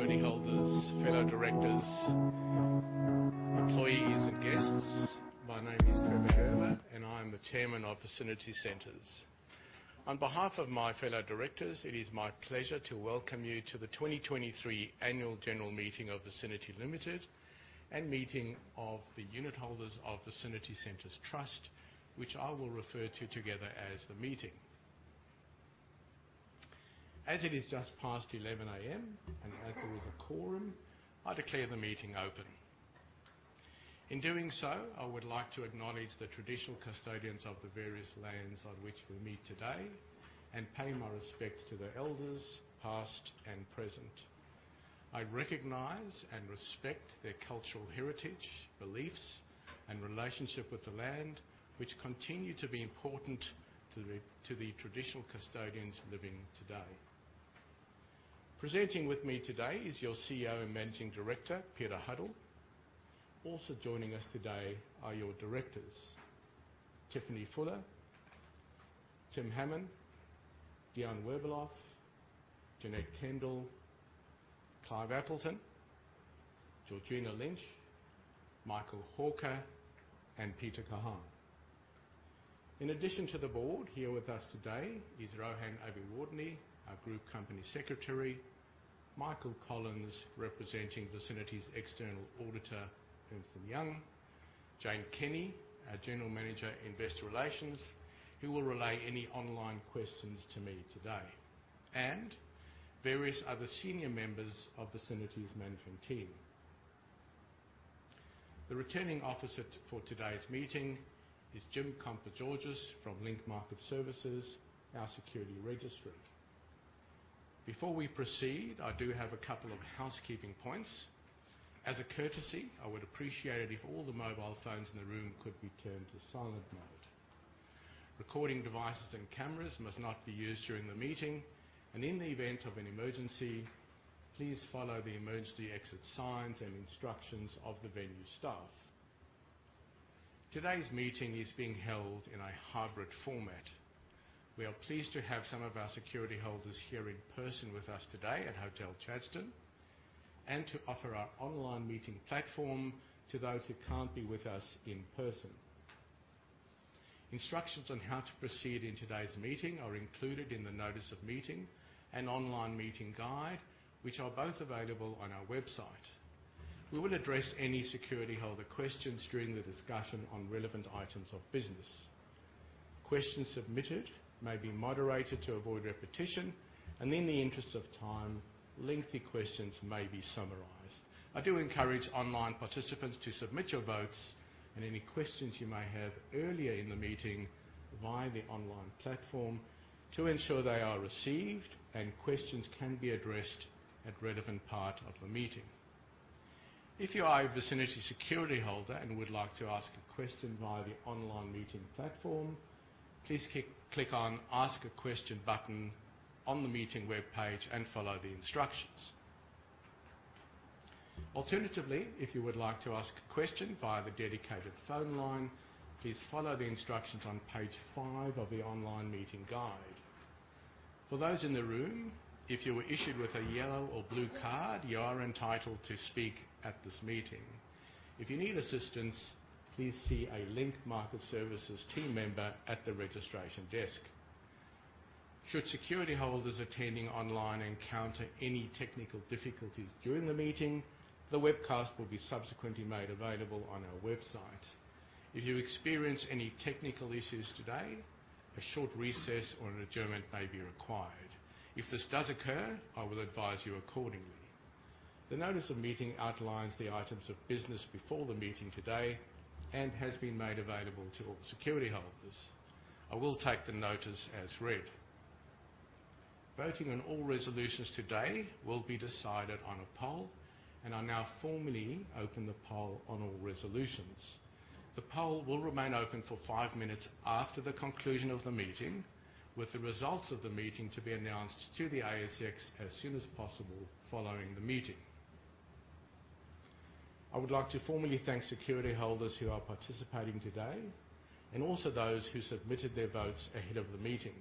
Well, good morning, security holders, fellow directors, employees, and guests. My name is Trevor Gerber, and I'm the Chairman of Vicinity Centres. On behalf of my fellow directors, it is my pleasure to welcome you to the 2023 Annual General Meeting of Vicinity Limited and Meeting of the Unitholders of Vicinity Centres Trust, which I will refer to together as the meeting. As it is just past 11 A.M., and as there is a quorum, I declare the meeting open. In doing so, I would like to acknowledge the traditional custodians of the various lands on which we meet today and pay my respects to the elders, past and present. I recognize and respect their cultural heritage, beliefs, and relationship with the land, which continue to be important to the traditional custodians living today. Presenting with me today is your CEO and Managing Director, Peter Huddle. Also joining us today are your directors, Tiffany Fuller, Tim Hammon, Dion Werbeloff, Janette Kendall, Clive Appleton, Georgina Lynch, Michael Hawker, and Peter Kahan. In addition to the board, here with us today is Rohan Abeyewardene, our Group Company Secretary, Michael Collins, representing Vicinity's external auditor, Ernst & Young, Jane Kenny, our General Manager, Investor Relations, who will relay any online questions to me today, and various other senior members of Vicinity's management team. The returning officer for today's meeting is Jim Kompogiorgas from Link Market Services, our security registry. Before we proceed, I do have a couple of housekeeping points. As a courtesy, I would appreciate it if all the mobile phones in the room could be turned to silent mode. Recording devices and cameras must not be used during the meeting, and in the event of an emergency, please follow the emergency exit signs and instructions of the venue staff. Today's meeting is being held in a hybrid format. We are pleased to have some of our security holders here in person with us today at Hotel Chadstone and to offer our online meeting platform to those who can't be with us in person. Instructions on how to proceed in today's meeting are included in the notice of meeting and online meeting guide, which are both available on our website. We will address any security holder questions during the discussion on relevant items of business. Questions submitted may be moderated to avoid repetition, and in the interest of time, lengthy questions may be summarized. I do encourage online participants to submit your votes and any questions you may have earlier in the meeting via the online platform to ensure they are received and questions can be addressed at relevant part of the meeting. If you are a Vicinity security holder and would like to ask a question via the online meeting platform, please click on Ask a Question button on the meeting webpage and follow the instructions. Alternatively, if you would like to ask a question via the dedicated phone line, please follow the instructions on page 5 of the online meeting guide. For those in the room, if you were issued with a yellow or blue card, you are entitled to speak at this meeting. If you need assistance, please see a Link Market Services team member at the registration desk. Should security holders attending online encounter any technical difficulties during the meeting, the webcast will be subsequently made available on our website. If you experience any technical issues today, a short recess or an adjournment may be required. If this does occur, I will advise you accordingly. The notice of meeting outlines the items of business before the meeting today and has been made available to all security holders. I will take the notice as read. Voting on all resolutions today will be decided on a poll, and I now formally open the poll on all resolutions. The poll will remain open for five minutes after the conclusion of the meeting, with the results of the meeting to be announced to the ASX as soon as possible following the meeting. I would like to formally thank security holders who are participating today and also those who submitted their votes ahead of the meeting.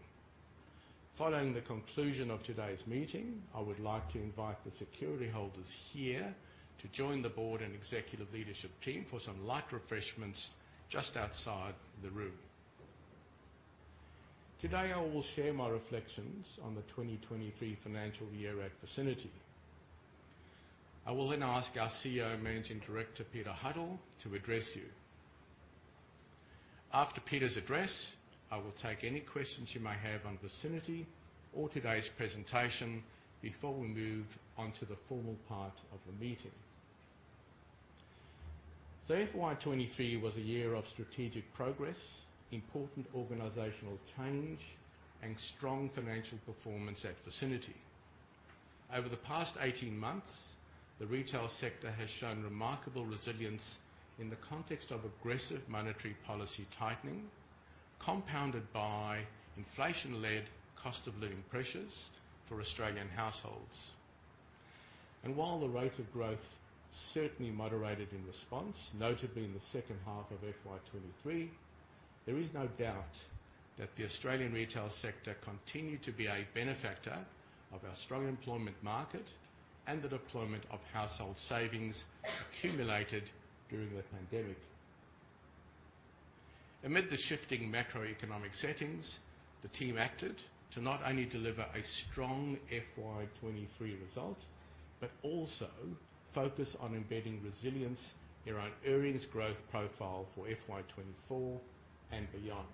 Following the conclusion of today's meeting, I would like to invite the security holders here to join the board and executive leadership team for some light refreshments just outside the room. Today, I will share my reflections on the 2023 financial year at Vicinity. I will then ask our CEO and Managing Director, Peter Huddle, to address you. After Peter's address, I will take any questions you may have on Vicinity or today's presentation before we move on to the formal part of the meeting. The FY23 was a year of strategic progress, important organizational change, and strong financial performance at Vicinity. Over the past 18 months, the retail sector has shown remarkable resilience in the context of aggressive monetary policy tightening, compounded by inflation-led cost of living pressures for Australian households. And while the rate of growth certainly moderated in response, notably in the second half of FY 2023, there is no doubt that the Australian retail sector continued to be a benefactor of our strong employment market and the deployment of household savings accumulated during the pandemic. Amid the shifting macroeconomic settings, the team acted to not only deliver a strong FY 2023 result, but also focus on embedding resilience around earnings growth profile for FY 2024 and beyond.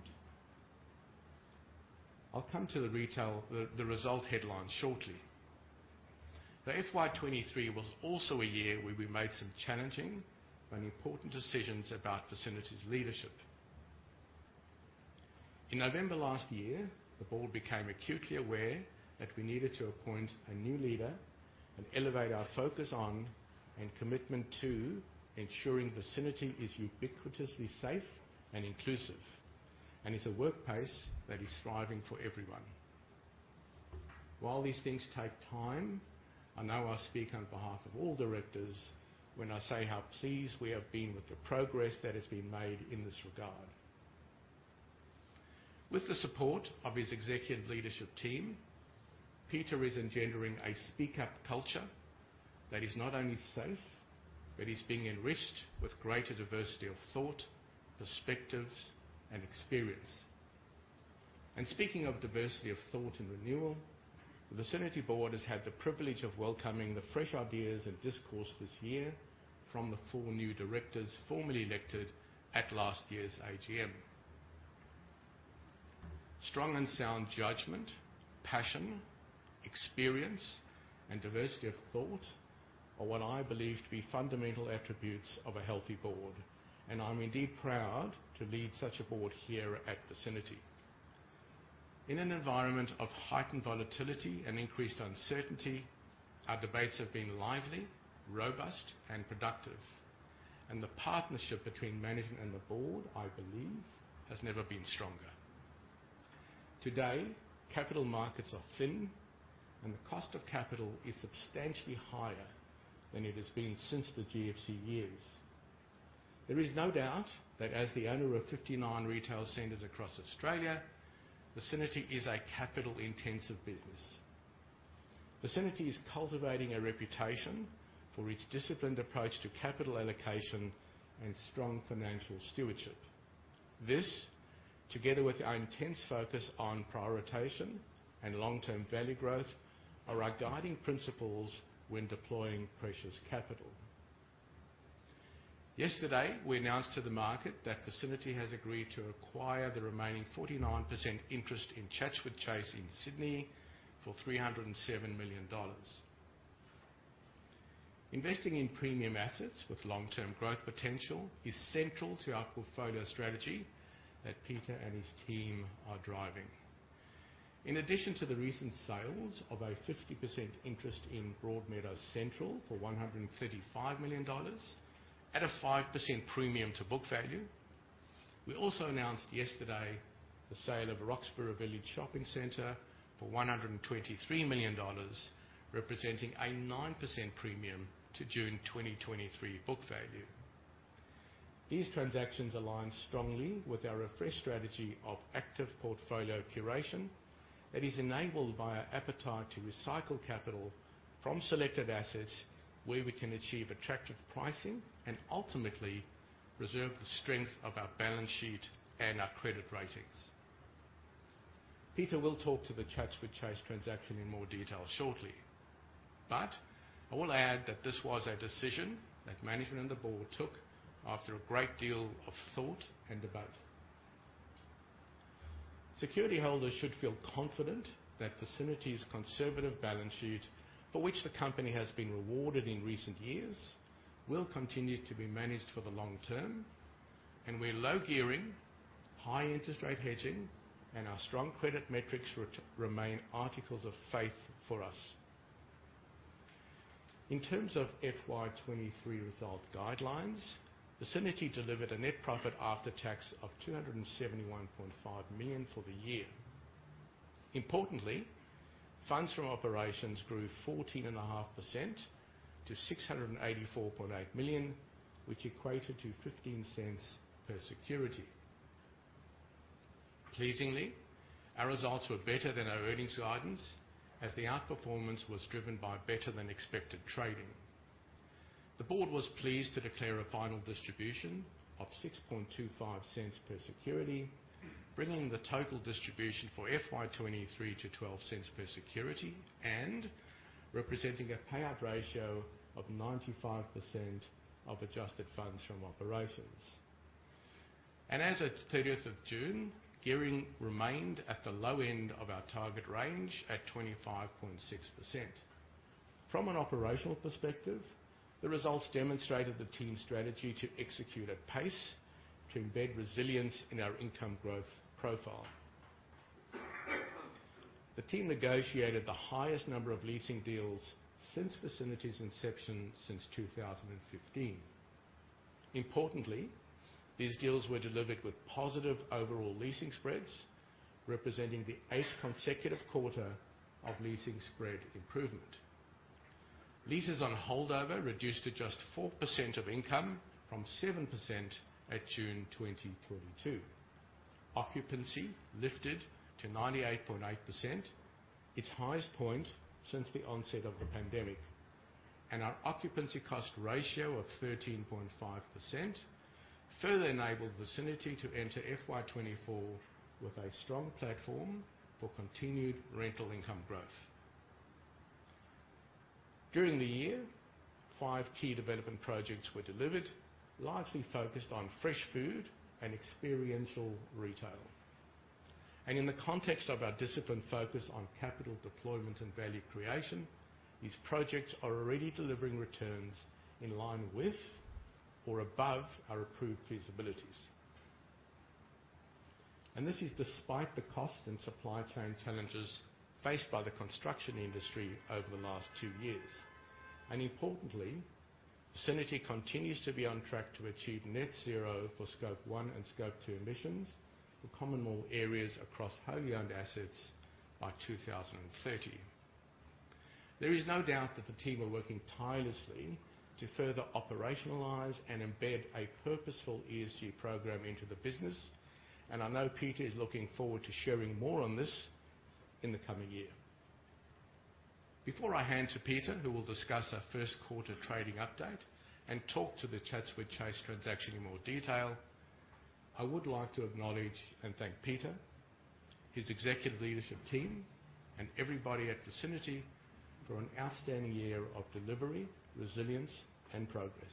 I'll come to the retail, the result headlines shortly. The FY 2023 was also a year where we made some challenging and important decisions about Vicinity's leadership. In November last year, the board became acutely aware that we needed to appoint a new leader and elevate our focus on, and commitment to, ensuring Vicinity is ubiquitously safe and inclusive, and is a workplace that is thriving for everyone. While these things take time, I know I speak on behalf of all directors when I say how pleased we have been with the progress that has been made in this regard. With the support of his executive leadership team, Peter is engendering a speak-up culture that is not only safe but is being enriched with greater diversity of thought, perspectives, and experience. And speaking of diversity of thought and renewal, the Vicinity board has had the privilege of welcoming the fresh ideas and discourse this year from the four new directors formally elected at last year's AGM. Strong and sound judgment, passion, experience, and diversity of thought are what I believe to be fundamental attributes of a healthy board, and I'm indeed proud to lead such a board here at Vicinity. In an environment of heightened volatility and increased uncertainty, our debates have been lively, robust, and productive, and the partnership between management and the board, I believe, has never been stronger. Today, capital markets are thin, and the cost of capital is substantially higher than it has been since the GFC years. There is no doubt that as the owner of 59 retail centers across Australia, Vicinity is a capital-intensive business. Vicinity is cultivating a reputation for its disciplined approach to capital allocation and strong financial stewardship. This, together with our intense focus on prioritization and long-term value growth, are our guiding principles when deploying precious capital. Yesterday, we announced to the market that Vicinity has agreed to acquire the remaining 49% interest in Chatswood Chase in Sydney for A$307 million. Investing in premium assets with long-term growth potential is central to our portfolio strategy that Peter and his team are driving. In addition to the recent sales of a 50% interest in Broadmeadows Central for A$135 million at a 5% premium to carrying value, we also announced yesterday the sale of Roxburgh Village Shopping Centre for A$123 million, representing a 9% premium to June 2023 carrying value. These transactions align strongly with our refreshed strategy of active portfolio curation that is enabled by our appetite to recycle capital from selected assets, where we can achieve attractive pricing and ultimately preserve the strength of our balance sheet and our credit ratings. Peter will talk to the Chatswood Chase transaction in more detail shortly, but I will add that this was a decision that management and the board took after a great deal of thought and debate. Security holders should feel confident that Vicinity's conservative balance sheet, for which the company has been rewarded in recent years, will continue to be managed for the long term, and we're low gearing, high interest rate hedging, and our strong credit metrics remain articles of faith for us. In terms of FY2023 results, Vicinity delivered a net profit after tax of A$271.5 million for the year. Importantly, funds from operations grew 14.5% to A$684.8 million, which equated to A$0.15 per security. Pleasingly, our results were better than our earnings guidance, as the outperformance was driven by better-than-expected trading. The board was pleased to declare a final distribution of A$0.0625 per security, bringing the total distribution for FY 2023 to A$0.12 per security and representing a payout ratio of 95% of adjusted funds from operations. As at 30 June, gearing remained at the low end of our target range at 25.6%. From an operational perspective, the results demonstrated the team's strategy to execute at pace to embed resilience in our income growth profile. The team negotiated the highest number of leasing deals since Vicinity's inception since 2015.... Importantly, these deals were delivered with positive overall leasing spreads, representing the eighth consecutive quarter of leasing spread improvement. Leases on holdover reduced to just 4% of income from 7% at June 2022. Occupancy lifted to 98.8%, its highest point since the onset of the pandemic, and our occupancy cost ratio of 13.5% further enabled Vicinity to enter FY 2024 with a strong platform for continued rental income growth. During the year, 5 key development projects were delivered, largely focused on fresh food and experiential retail. In the context of our disciplined focus on capital deployment and value creation, these projects are already delivering returns in line with or above our approved feasibilities. This is despite the cost and supply chain challenges faced by the construction industry over the last 2 years. Importantly, Vicinity continues to be on track to achieve net zero for Scope 1 and Scope 2 emissions for common mall areas across wholly owned assets by 2030. There is no doubt that the team are working tirelessly to further operationalize and embed a purposeful ESG program into the business, and I know Peter is looking forward to sharing more on this in the coming year. Before I hand to Peter, who will discuss our Q1 trading update and talk to the Chatswood Chase transaction in more detail, I would like to acknowledge and thank Peter, his executive leadership team, and everybody at Vicinity for an outstanding year of delivery, resilience, and progress.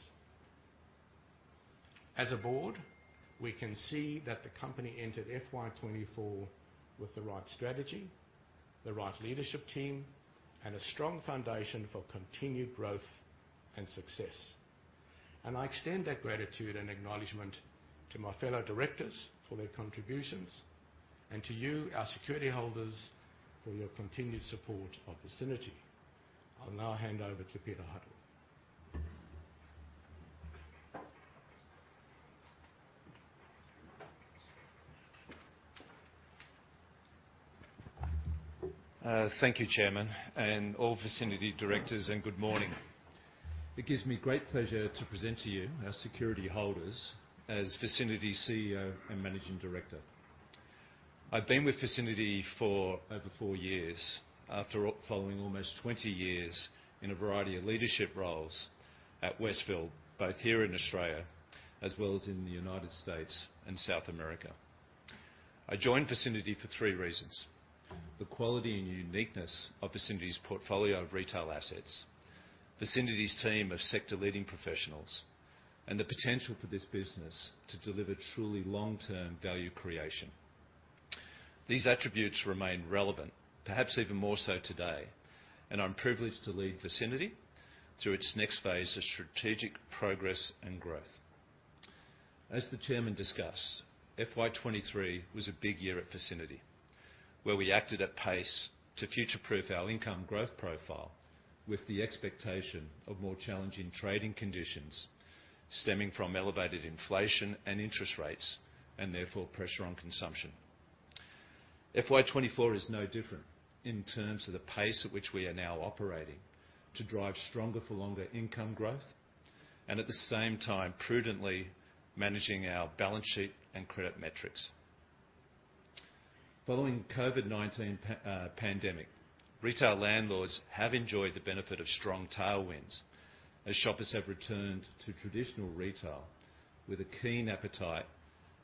As a board, we can see that the company entered FY 2024 with the right strategy, the right leadership team, and a strong foundation for continued growth and success. I extend that gratitude and acknowledgment to my fellow directors for their contributions and to you, our security holders, for your continued support of Vicinity. I'll now hand over to Peter Huddle. Thank you, Chairman, and all Vicinity directors, and good morning. It gives me great pleasure to present to you, our security holders, as Vicinity CEO and Managing Director. I've been with Vicinity for over 4 years, after following almost 20 years in a variety of leadership roles at Westfield, both here in Australia as well as in the United States and South America. I joined Vicinity for 3 reasons: the quality and uniqueness of Vicinity's portfolio of retail assets, Vicinity's team of sector-leading professionals, and the potential for this business to deliver truly long-term value creation. These attributes remain relevant, perhaps even more so today, and I'm privileged to lead Vicinity through its next phase of strategic progress and growth. As the Chairman discussed, FY 2023 was a big year at Vicinity, where we acted at pace to future-proof our income growth profile with the expectation of more challenging trading conditions stemming from elevated inflation and interest rates, and therefore pressure on consumption. FY 2024 is no different in terms of the pace at which we are now operating to drive stronger for longer income growth and at the same time, prudently managing our balance sheet and credit metrics. Following COVID-19 pandemic, retail landlords have enjoyed the benefit of strong tailwinds as shoppers have returned to traditional retail with a keen appetite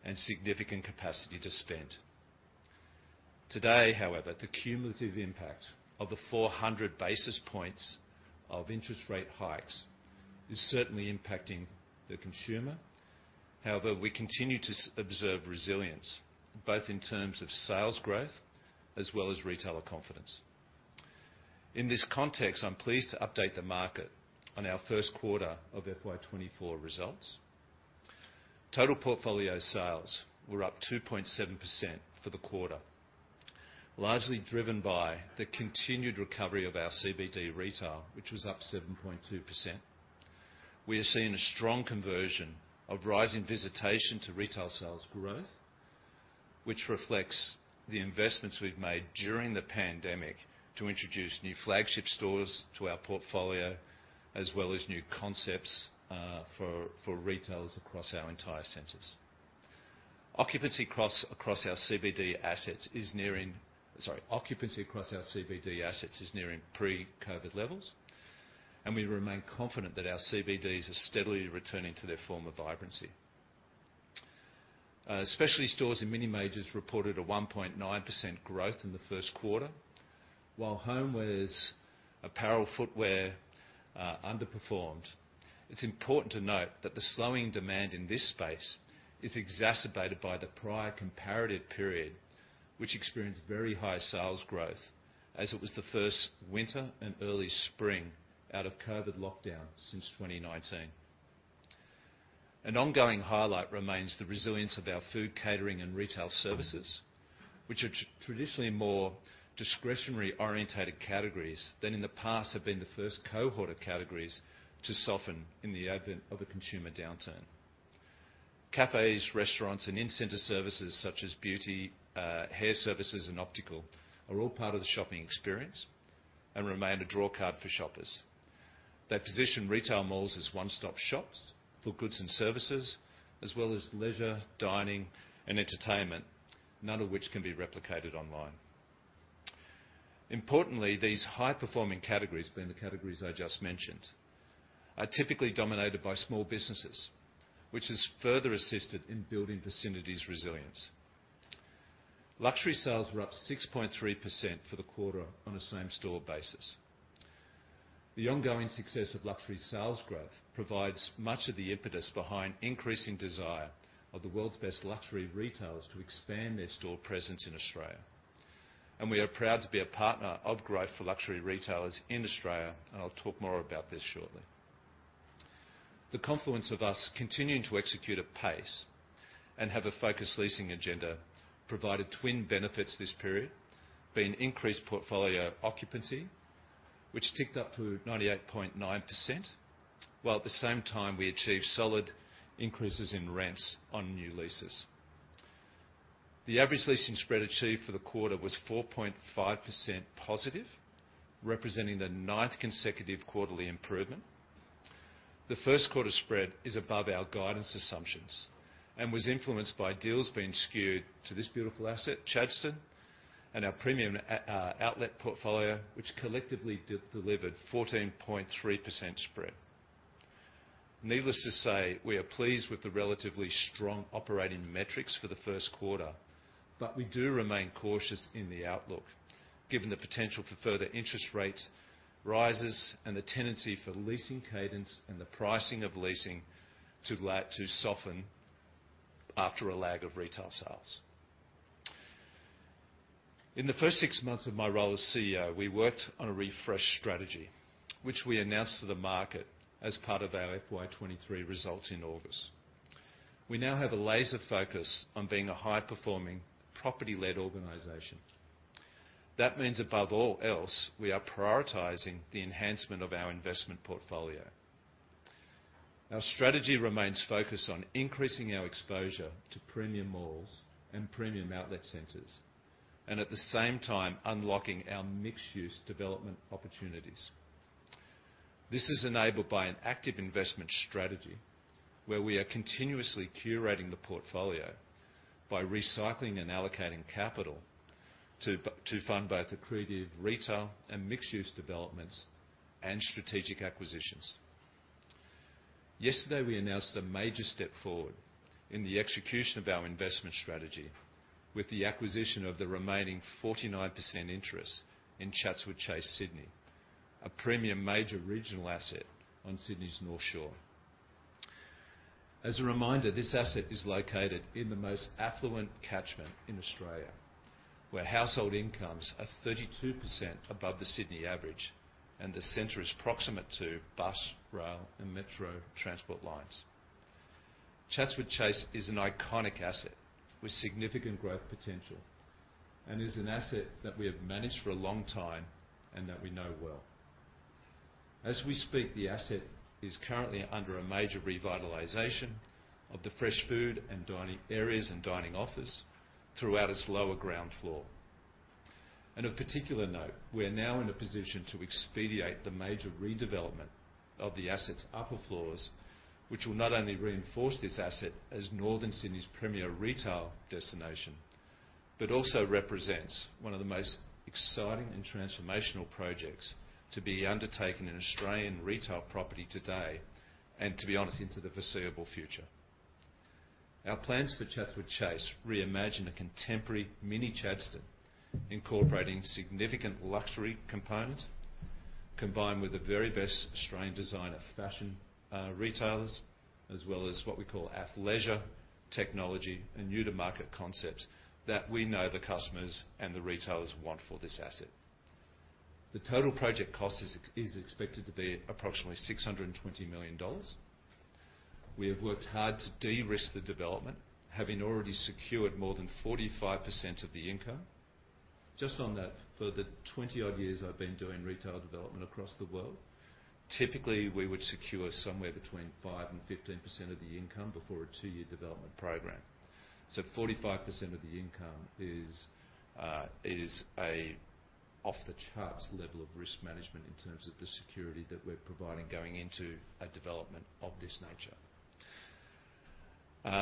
and significant capacity to spend. Today, however, the cumulative impact of the 400 basis points of interest rate hikes is certainly impacting the consumer. However, we continue to observe resilience, both in terms of sales growth as well as retailer confidence. In this context, I'm pleased to update the market on our Q1 of FY 2024 results. Total portfolio sales were up 2.7% for the quarter, largely driven by the continued recovery of our CBD retail, which was up 7.2%. We are seeing a strong conversion of rising visitation to retail sales growth, which reflects the investments we've made during the pandemic to introduce new flagship stores to our portfolio, as well as new concepts for retailers across our entire centers. Occupancy across our CBD assets is nearing pre-COVID levels, and we remain confident that our CBDs are steadily returning to their former vibrancy. Specialty stores and mini majors reported a 1.9% growth in the Q1, while homewares, apparel, footwear underperformed. It's important to note that the slowing demand in this space is exacerbated by the prior comparative period, which experienced very high sales growth, as it was the first winter and early spring out of COVID lockdown since 2019. An ongoing highlight remains the resilience of our food, catering, and retail services, which are traditionally more discretionary-oriented categories that in the past have been the first cohort of categories to soften in the advent of a consumer downturn. Cafes, restaurants, and in-center services, such as beauty, hair services, and optical, are all part of the shopping experience and remain a draw card for shoppers. They position retail malls as one-stop shops for goods and services, as well as leisure, dining, and entertainment, none of which can be replicated online. Importantly, these high-performing categories, being the categories I just mentioned, are typically dominated by small businesses, which has further assisted in building Vicinity's resilience. Luxury sales were up 6.3% for the quarter on a same store basis. The ongoing success of luxury sales growth provides much of the impetus behind increasing desire of the world's best luxury retailers to expand their store presence in Australia, and we are proud to be a partner of growth for luxury retailers in Australia, and I'll talk more about this shortly. The confluence of us continuing to execute at pace and have a focused leasing agenda provided twin benefits this period, being increased portfolio occupancy, which ticked up to 98.9%, while at the same time, we achieved solid increases in rents on new leases. The average leasing spread achieved for the quarter was 4.5% positive, representing the ninth consecutive quarterly improvement. The Q1 spread is above our guidance assumptions and was influenced by deals being skewed to this beautiful asset, Chadstone, and our premium outlet portfolio, which collectively delivered 14.3% spread. Needless to say, we are pleased with the relatively strong operating metrics for the Q1, but we do remain cautious in the outlook, given the potential for further interest rate rises and the tendency for leasing cadence and the pricing of leasing to soften after a lag of retail sales. In the first six months of my role as CEO, we worked on a refreshed strategy, which we announced to the market as part of our FY 2023 results in August. We now have a laser focus on being a high-performing, property-led organization. That means, above all else, we are prioritizing the enhancement of our investment portfolio. Our strategy remains focused on increasing our exposure to premium malls and premium outlet centers and, at the same time, unlocking our mixed-use development opportunities. This is enabled by an active investment strategy, where we are continuously curating the portfolio by recycling and allocating capital to fund both accretive retail and mixed-use developments and strategic acquisitions. Yesterday, we announced a major step forward in the execution of our investment strategy with the acquisition of the remaining 49% interest in Chatswood Chase Sydney, a premium major regional asset on Sydney's North Shore. As a reminder, this asset is located in the most affluent catchment in Australia, where household incomes are 32% above the Sydney average, and the center is proximate to bus, rail, and metro transport lines. Chatswood Chase is an iconic asset with significant growth potential and is an asset that we have managed for a long time and that we know well. As we speak, the asset is currently under a major revitalization of the fresh food and dining areas and dining office throughout its lower ground floor. Of particular note, we are now in a position to expedite the major redevelopment of the asset's upper floors, which will not only reinforce this asset as Northern Sydney's premier retail destination, but also represents one of the most exciting and transformational projects to be undertaken in Australian retail property today and, to be honest, into the foreseeable future. Our plans for Chatswood Chase reimagine a contemporary mini Chadstone, incorporating significant luxury component, combined with the very best Australian designer fashion, retailers, as well as what we call athleisure technology and new-to-market concepts that we know the customers and the retailers want for this asset. The total project cost is expected to be approximately A$620 million. We have worked hard to de-risk the development, having already secured more than 45% of the income. Just on that, for the 20-odd years I've been doing retail development across the world, typically, we would secure somewhere between 5% and 15% of the income before a two-year development program. So 45% of the income is a off-the-charts level of risk management in terms of the security that we're providing going into a development of this nature.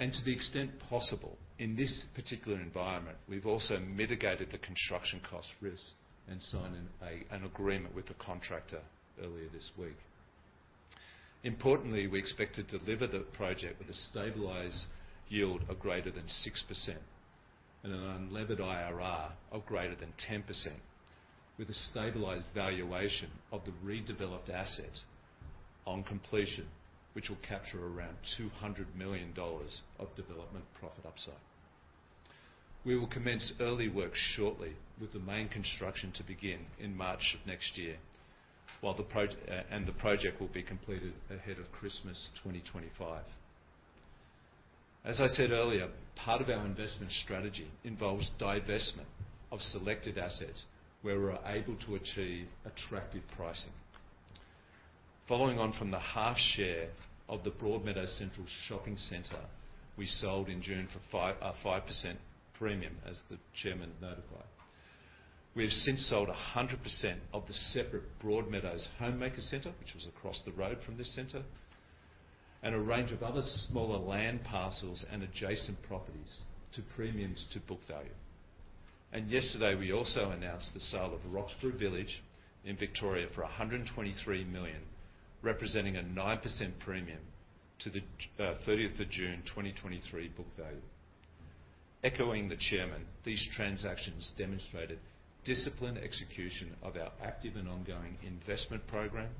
And to the extent possible, in this particular environment, we've also mitigated the construction cost risk and signed an agreement with the contractor earlier this week. Importantly, we expect to deliver the project with a stabilized yield of greater than 6% and an unlevered IRR of greater than 10%, with a stabilized valuation of the redeveloped asset on completion, which will capture around A$200 million of development profit upside. We will commence early work shortly, with the main construction to begin in March of next year, while the project will be completed ahead of Christmas 2025. As I said earlier, part of our investment strategy involves divestment of selected assets where we're able to achieve attractive pricing. Following on from the half share of the Broadmeadows Central Shopping Centre, we sold in June for 5% premium, as the chairman notified. We have since sold 100% of the separate Broadmeadows Homemaker Centre, which was across the road from this center, and a range of other smaller land parcels and adjacent properties to premiums to book value. And yesterday, we also announced the sale of Roxburgh Village in Victoria for 123 million, representing a 9% premium to 13 June 2023 book value. Echoing the chairman, these transactions demonstrated disciplined execution of our active and ongoing investment program.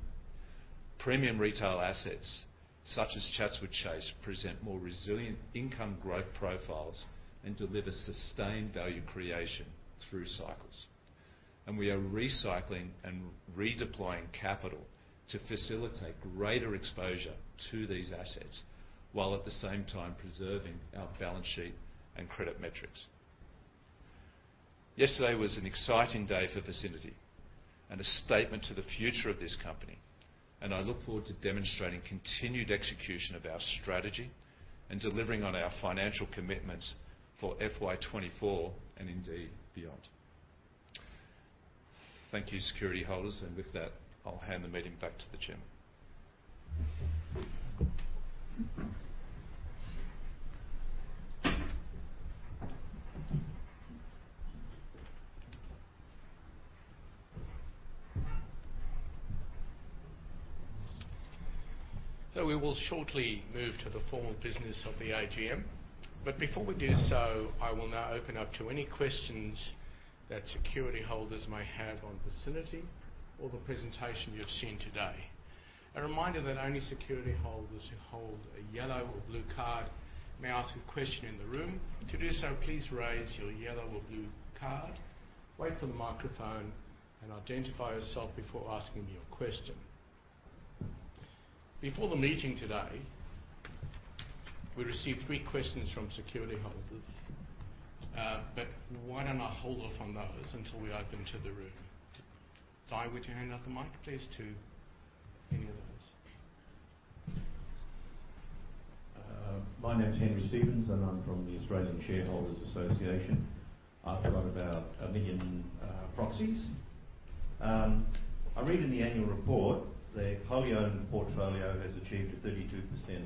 Premium retail assets, such as Chatswood Chase, present more resilient income growth profiles and deliver sustained value creation through cycles. We are recycling and redeploying capital to facilitate greater exposure to these assets, while at the same time preserving our balance sheet and credit metrics. Yesterday was an exciting day for Vicinity and a statement to the future of this company, and I look forward to demonstrating continued execution of our strategy and delivering on our financial commitments for FY 2024 and indeed beyond. Thank you, security holders, and with that, I'll hand the meeting back to the Chairman. So we will shortly move to the formal business of the AGM. But before we do so, I will now open up to any questions that security holders may have on Vicinity or the presentation you've seen today. A reminder that only security holders who hold a yellow or blue card may ask a question in the room. To do so, please raise your yellow or blue card, wait for the microphone, and identify yourself before asking your question. Before the meeting today, we received three questions from security holders, but why don't I hold off on those until we open to the room? Ty, would you hand out the mic, please, to any of those? My name is Henry Stephen, and I'm from the Australian Shareholders Association. I've got about a million proxies. I read in the annual report the wholly owned portfolio has achieved a 32%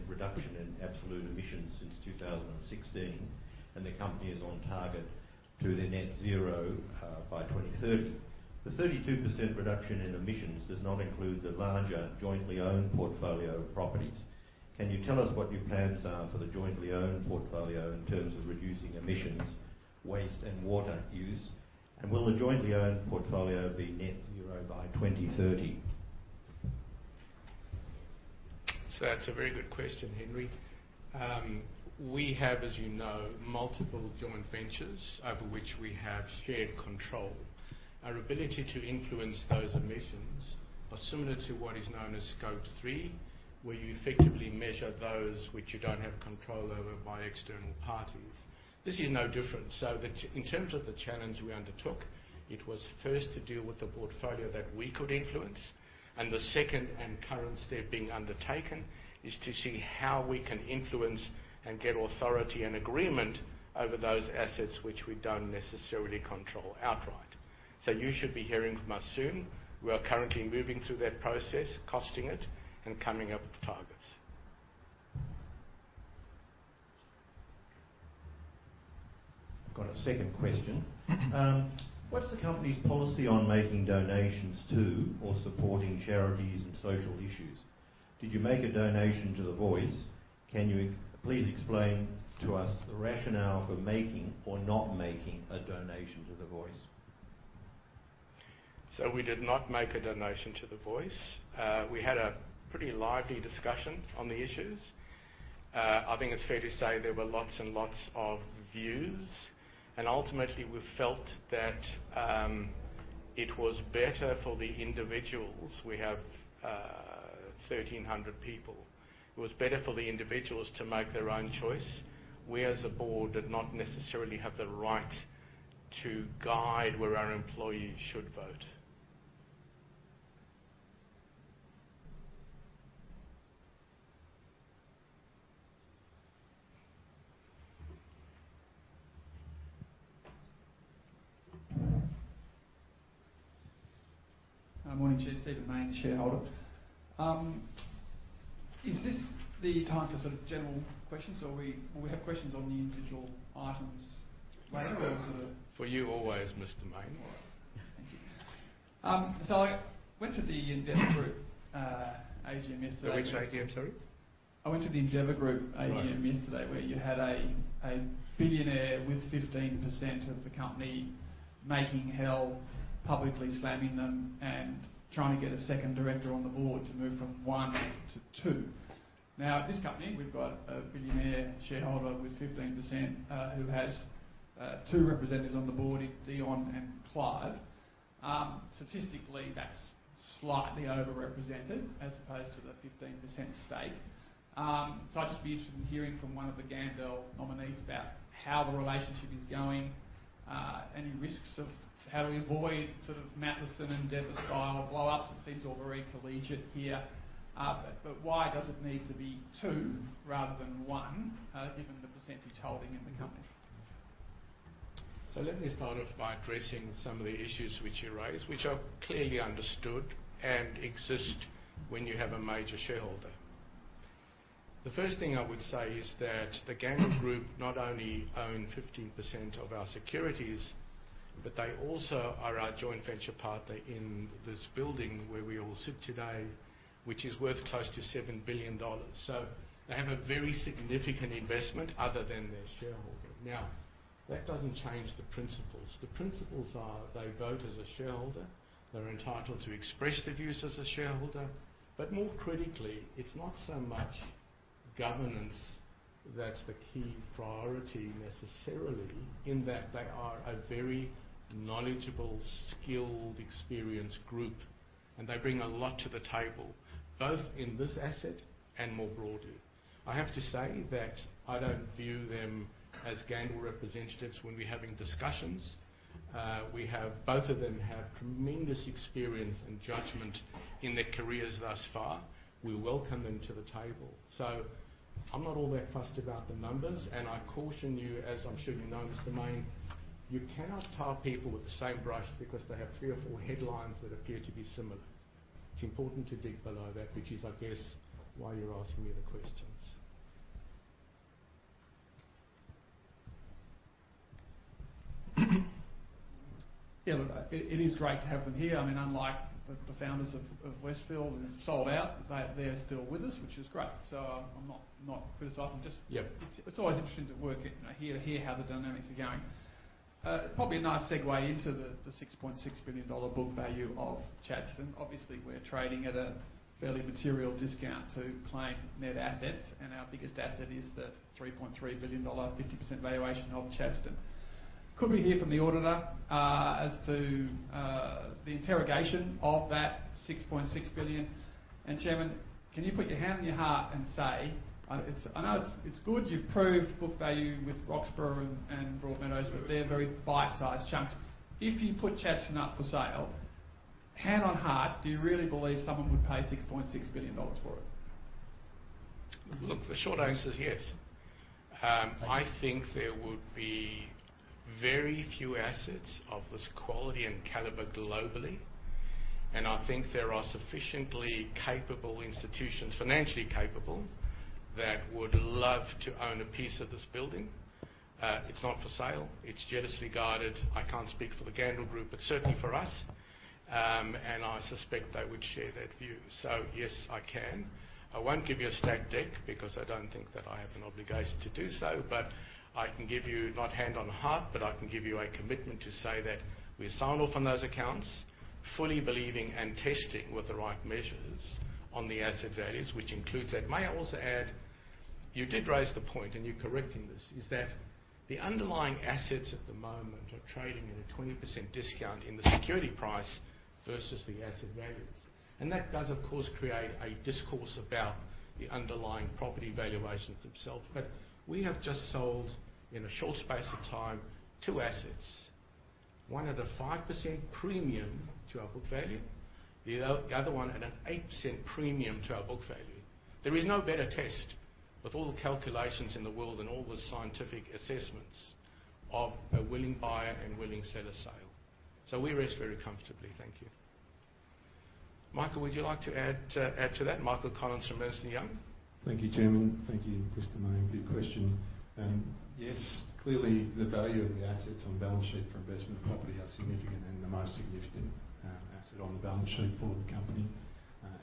reduction in absolute emissions since 2016, and the company is on target to the net zero emissions by 2030. The 32% reduction in emissions does not include the larger jointly owned portfolio of properties. Can you tell us what your plans are for the jointly owned portfolio in terms of reducing emissions, waste, and water use? And will the jointly owned portfolio be net zero emissions by 2030? So that's a very good question, Henry. We have, as you know, multiple joint ventures over which we have shared control. Our ability to influence those emissions are similar to what is known as Scope 3, where you effectively measure those which you don't have control over by external parties. This is no different. So in terms of the challenge we undertook, it was first to deal with the portfolio that we could influence, and the second and current step being undertaken is to see how we can influence and get authority and agreement over those assets which we don't necessarily control outright. So you should be hearing from us soon. We are currently moving through that process, costing it, and coming up with targets. I've got a second question. Mm-hmm. What's the company's policy on making donations to or supporting charities and social issues? Did you make a donation to The Voice? Can you please explain to us the rationale for making or not making a donation to The Voice? So we did not make a donation to The Voice. We had a pretty lively discussion on the issues. I think it's fair to say there were lots and lots of views, and ultimately, we felt that it was better for the individuals. We have 1,300 people. It was better for the individuals to make their own choice. We, as a board, did not necessarily have the right to guide where our employees should vote. Morning, Chair. Stephen Mayne, shareholder. Is this the time for sort of general questions, or we have questions on the individual items later or the- For you, always, Mr. Mayne. Thank you. So I went to the Endeavour Group AGM yesterday. Which AGM, sorry? I went to the Endeavour Group- Right... AGM yesterday, where you had a billionaire with 15% of the company making hell, publicly slamming them and trying to get a second director on the board to move from one to two. Now, at this company, we've got a billionaire shareholder with 15%, who has- two representatives on the board in Dion and Clive. Statistically, that's slightly over-represented, as opposed to the 15% stake. So I'd just be interested in hearing from one of the Gandel nominees about how the relationship is going, any risks of how do we avoid sort of Mathieson and Wavish style blowups? It seems all very collegiate here. But, but why does it need to be two rather than one, given the percentage holding in the company? So let me start off by addressing some of the issues which you raised, which are clearly understood and exist when you have a major shareholder. The first thing I would say is that the Gandel Group not only own 15% of our securities, but they also are our joint venture partner in this building where we all sit today, which is worth close to 7 billion dollars. So they have a very significant investment other than their shareholding. Now, that doesn't change the principles. The principles are: they vote as a shareholder, they're entitled to express their views as a shareholder, but more critically, it's not so much governance that's the key priority necessarily, in that they are a very knowledgeable, skilled, experienced group, and they bring a lot to the table, both in this asset and more broadly. I have to say that I don't view them as Gandel representatives when we're having discussions. Both of them have tremendous experience and judgment in their careers thus far. We welcome them to the table. So I'm not all that fussed about the numbers, and I caution you, as I'm sure you know, Mr. Mayne, you cannot tar people with the same brush because they have three or four headlines that appear to be similar. It's important to dig below that, which is, I guess, why you're asking me the questions. Yeah, look, it is great to have them here. I mean, unlike the founders of Westfield who sold out, they're still with us, which is great. So I'm not criticizing. Yep. It's always interesting to work and hear how the dynamics are going. Probably a nice segue into the A$6.6 billion book value of Chadstone. Obviously, we're trading at a fairly material discount to claimed net assets, and our biggest asset is the 3.3 billion dollar, 50% valuation of Chadstone. Could we hear from the auditor as to the interrogation of that A$6.6 billion? And, Chairman, can you put your hand on your heart and say it's... I know it's good you've proved book value with Roxburgh and Broadmeadows, but they're very bite-sized chunks. If you put Chadstone up for sale, hand on heart, do you really believe someone would pay A$6.6 billion for it? Look, the short answer is yes. I think there would be very few assets of this quality and caliber globally, and I think there are sufficiently capable institutions, financially capable, that would love to own a piece of this building. It's not for sale. It's jealously guarded. I can't speak for the Gandel Group, but certainly for us, and I suspect they would share that view. So yes, I can. I won't give you a stacked deck because I don't think that I have an obligation to do so, but I can give you, not hand on heart, but I can give you a commitment to say that we sign off on those accounts, fully believing and testing with the right measures on the asset values, which includes that. May I also add, you did raise the point, and you're correct in this, is that the underlying assets at the moment are trading at a 20% discount in the security price versus the asset values. And that does, of course, create a discourse about the underlying property valuations themselves. But we have just sold, in a short space of time, two assets. One at a 5% premium to our book value, the other one at an 8% premium to our book value. There is no better test with all the calculations in the world and all the scientific assessments of a willing buyer and willing seller sale. So we rest very comfortably, thank you. Michael, would you like to add to that? Michael Collins from Ernst & Young. Thank you, Chairman. Thank you, Mr. Mayne, good question. Yes, clearly, the value of the assets on balance sheet for investment property are significant and the most significant asset on the balance sheet for the company.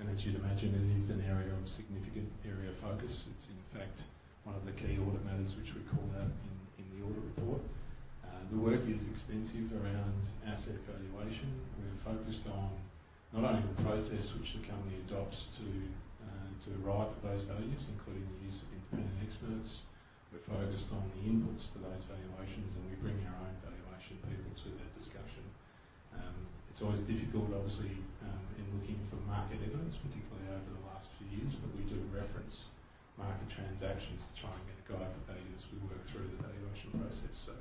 And as you'd imagine, it is an area of significant area of focus. It's in fact one of the key audit matters which we call out in the audit report. The work is extensive around asset valuation. We're focused on not only the process which the company adopts to arrive at those values, including the use of independent experts, we're focused on the inputs to those valuations, and we bring our own valuation people to that discussion. It's always difficult, obviously, in looking for market evidence, particularly over the last few years, but we do reference market transactions to try and get a guide for value as we work through the valuation process. So,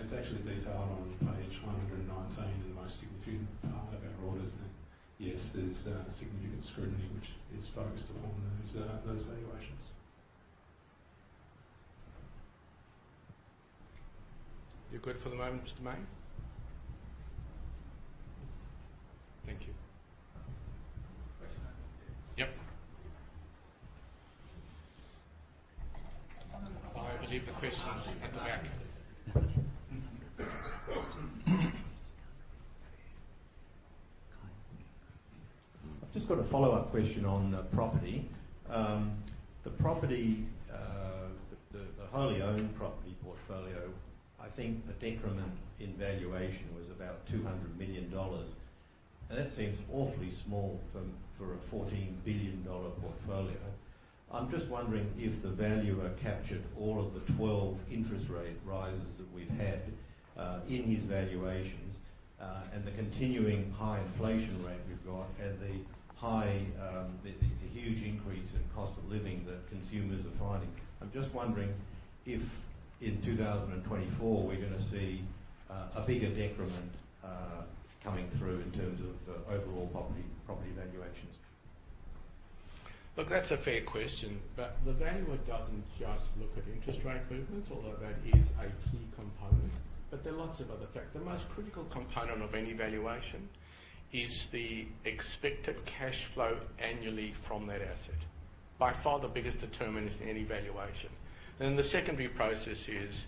it's actually detailed on page 119, in the most significant part of our audit. And yes, there's significant scrutiny which is focused upon those, those valuations. You're good for the moment, Mr. Mayne? Thank you. Yep. I believe the question is at the back. I've just got a follow-up question on property. I think the Decline in valuation was about 200 million dollars. ... That seems awfully small for a 14 billion dollar portfolio. I'm just wondering if the valuer captured all of the 12 interest rate rises that we've had in his valuations and the continuing high inflation rate we've got and the high, the huge increase in cost of living that consumers are finding. I'm just wondering if in 2024, we're gonna see a bigger decrement coming through in terms of overall property valuations. Look, that's a fair question, but the valuer doesn't just look at interest rate movements, although that is a key component, but there are lots of other factors. The most critical component of any valuation is the expected cash flow annually from that asset. By far, the biggest determinant in any valuation. Then the secondary process is,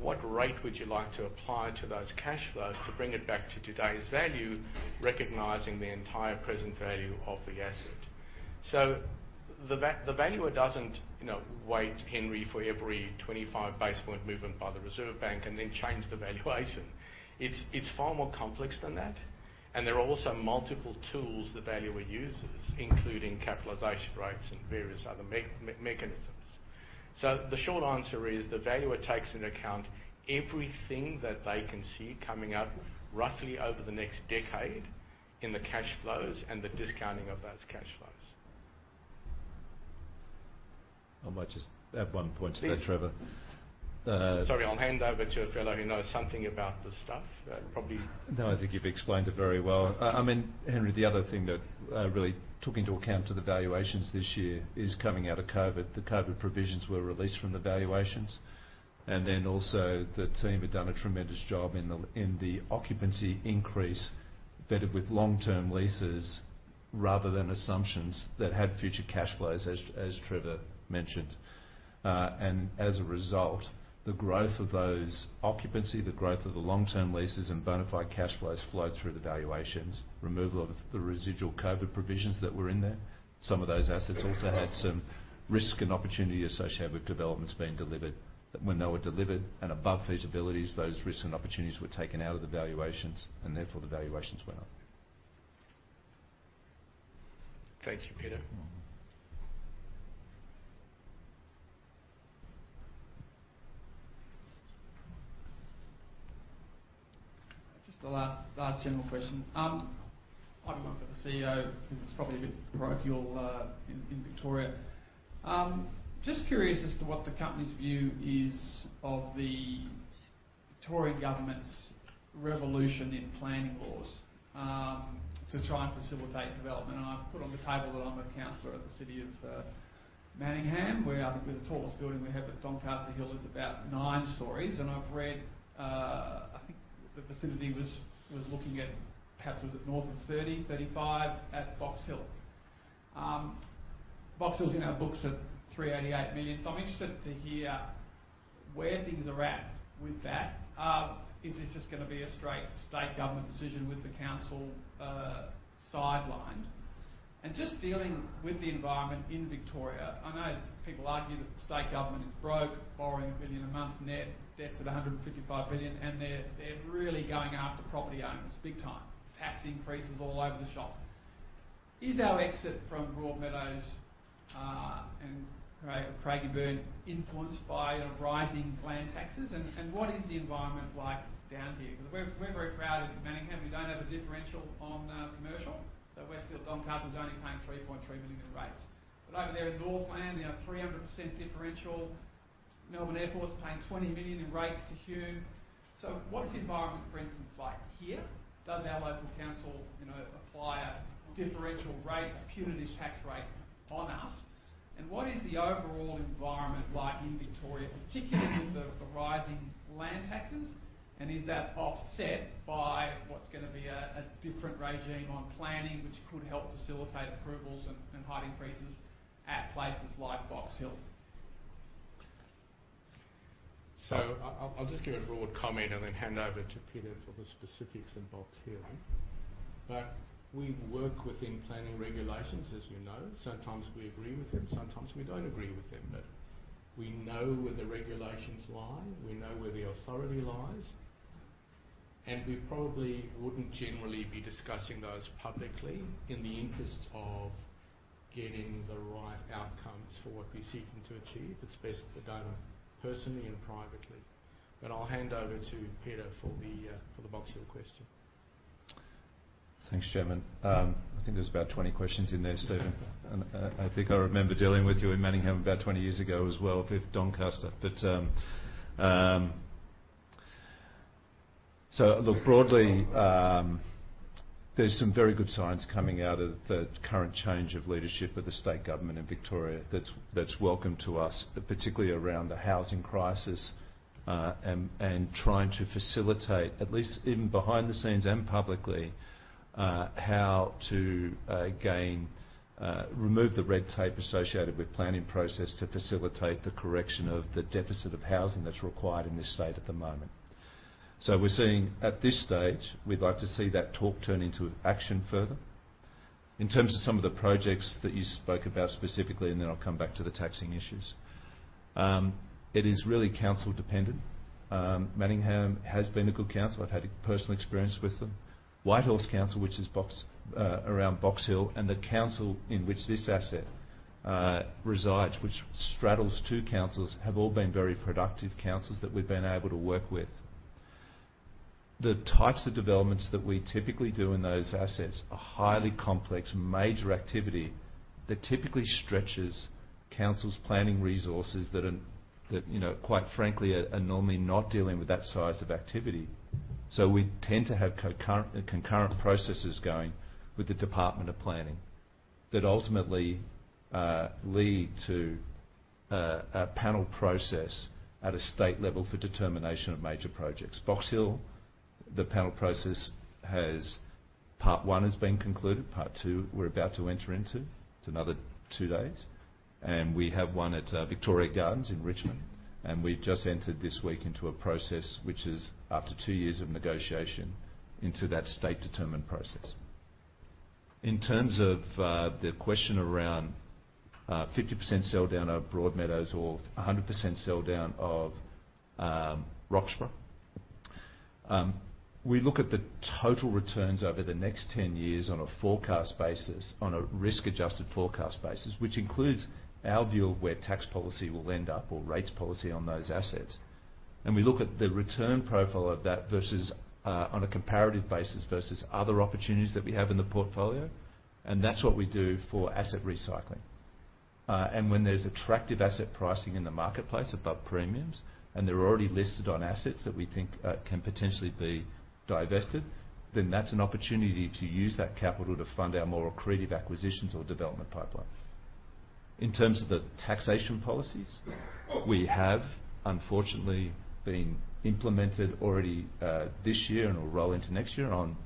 what rate would you like to apply to those cash flows to bring it back to today's value, recognizing the entire present value of the asset? So the valuer doesn't, you know, wait, Henry, for every 25 basis point movement by the Reserve Bank and then change the valuation. It's far more complex than that, and there are also multiple tools the valuer uses, including capitalization rates and various other mechanisms. The short answer is, the valuer takes into account everything that they can see coming up, roughly over the next decade, in the cash flows and the discounting of those cash flows. I might just add one point to that, Trevor. Sorry, I'll hand over to a fellow who knows something about this stuff. Probably- No, I think you've explained it very well. I mean, Henry, the other thing that really took into account to the valuations this year is coming out of COVID. The COVID provisions were released from the valuations, and then also, the team had done a tremendous job in the, in the occupancy increase, vetted with long-term leases rather than assumptions that had future cash flows, as Trevor mentioned. And as a result, the growth of those occupancy, the growth of the long-term leases and bona fide cash flows flowed through the valuations, removal of the residual COVID provisions that were in there. Some of those assets also had some risk and opportunity associated with developments being delivered. When they were delivered and above feasibilities, those risks and opportunities were taken out of the valuations, and therefore, the valuations went up. Thank you, Peter. Just a last general question. I'd look at the CEO, because it's probably a bit parochial in Victoria. Just curious as to what the company's view is of the Victorian government's revolution in planning laws to try and facilitate development. I've put on the table that I'm a councilor at the City of Manningham, where I think the tallest building we have at Doncaster Hill is about nine stories, and I've read, I think the Vicinity was looking at perhaps was it north of 30-35 at Box Hill. Box Hill's in our books at 388 million. So I'm interested to hear where things are at with that. Is this just gonna be a straight state government decision with the council sidelined? Just dealing with the environment in Victoria, I know people argue that the state government is broke, borrowing 1 billion a month, net debt's at 155 billion, and they're really going after property owners big time. Tax increases all over the shop. Is our exit from Broadmeadows and Craigieburn influenced by the rising land taxes, and what is the environment like down here? We're very proud of Manningham. We don't have a differential on commercial, so Westfield Doncaster is only paying 3.3 million in rates. But over there in Northland, they have 300% differential. Melbourne Airport is paying 20 million in rates to Hume. So what is the environment, for instance, like here? Does our local council, you know, apply a differential rate, a punitive tax rate on us? What is the overall environment like in Victoria, particularly with the rising land taxes, and is that offset by what's gonna be a different regime on planning, which could help facilitate approvals and height increases at places like Box Hill? So I'll just give a broad comment and then hand over to Peter for the specifics of Box Hill. But we work within planning regulations, as you know. Sometimes we agree with them, sometimes we don't agree with them, but we know where the regulations lie, we know where the authority lies, and we probably wouldn't generally be discussing those publicly in the interests of getting the right outcomes for what we're seeking to achieve. It's best if we done them personally and privately. But I'll hand over to Peter for the Box Hill question. Thanks, Chairman. I think there's about 20 questions in there, Stephen, and I, I think I remember dealing with you in Manningham about 20 years ago as well with Doncaster. But, so look, broadly, there's some very good signs coming out of the current change of leadership of the state government in Victoria that's, that's welcome to us, particularly around the housing crisis, and, and trying to facilitate, at least even behind the scenes and publicly, how to remove the red tape associated with planning process to facilitate the correction of the deficit of housing that's required in this state at the moment. So we're seeing, at this stage, we'd like to see that talk turn into action further. In terms of some of the projects that you spoke about specifically, and then I'll come back to the taxing issues. It is really council dependent. Manningham has been a good council. I've had personal experience with them. Whitehorse Council, which is Box around Box Hill, and the council in which this asset resides, which straddles two councils, have all been very productive councils that we've been able to work with. The types of developments that we typically do in those assets are highly complex, major activity that typically stretches council's planning resources that you know, quite frankly, are normally not dealing with that size of activity. So we tend to have concurrent processes going with the Department of Planning, that ultimately lead to a panel process at a state level for determination of major projects. Box Hill, the panel process has, part one has been concluded. Part two, we're about to enter into. It's another two days. We have one at Victoria Gardens in Richmond, and we've just entered this week into a process which is after two years of negotiation into that state determined process. In terms of the question around 50% sell down of Broadmeadows or 100% sell down of Roxburgh. We look at the total returns over the next 10 years on a forecast basis, on a risk-adjusted forecast basis, which includes our view of where tax policy will end up or rates policy on those assets. We look at the return profile of that versus on a comparative basis versus other opportunities that we have in the portfolio, and that's what we do for asset recycling. And when there's attractive asset pricing in the marketplace above premiums, and they're already listed on assets that we think can potentially be divested, then that's an opportunity to use that capital to fund our more accretive acquisitions or development pipeline. In terms of the taxation policies, we have unfortunately been implemented already this year and will roll into next year on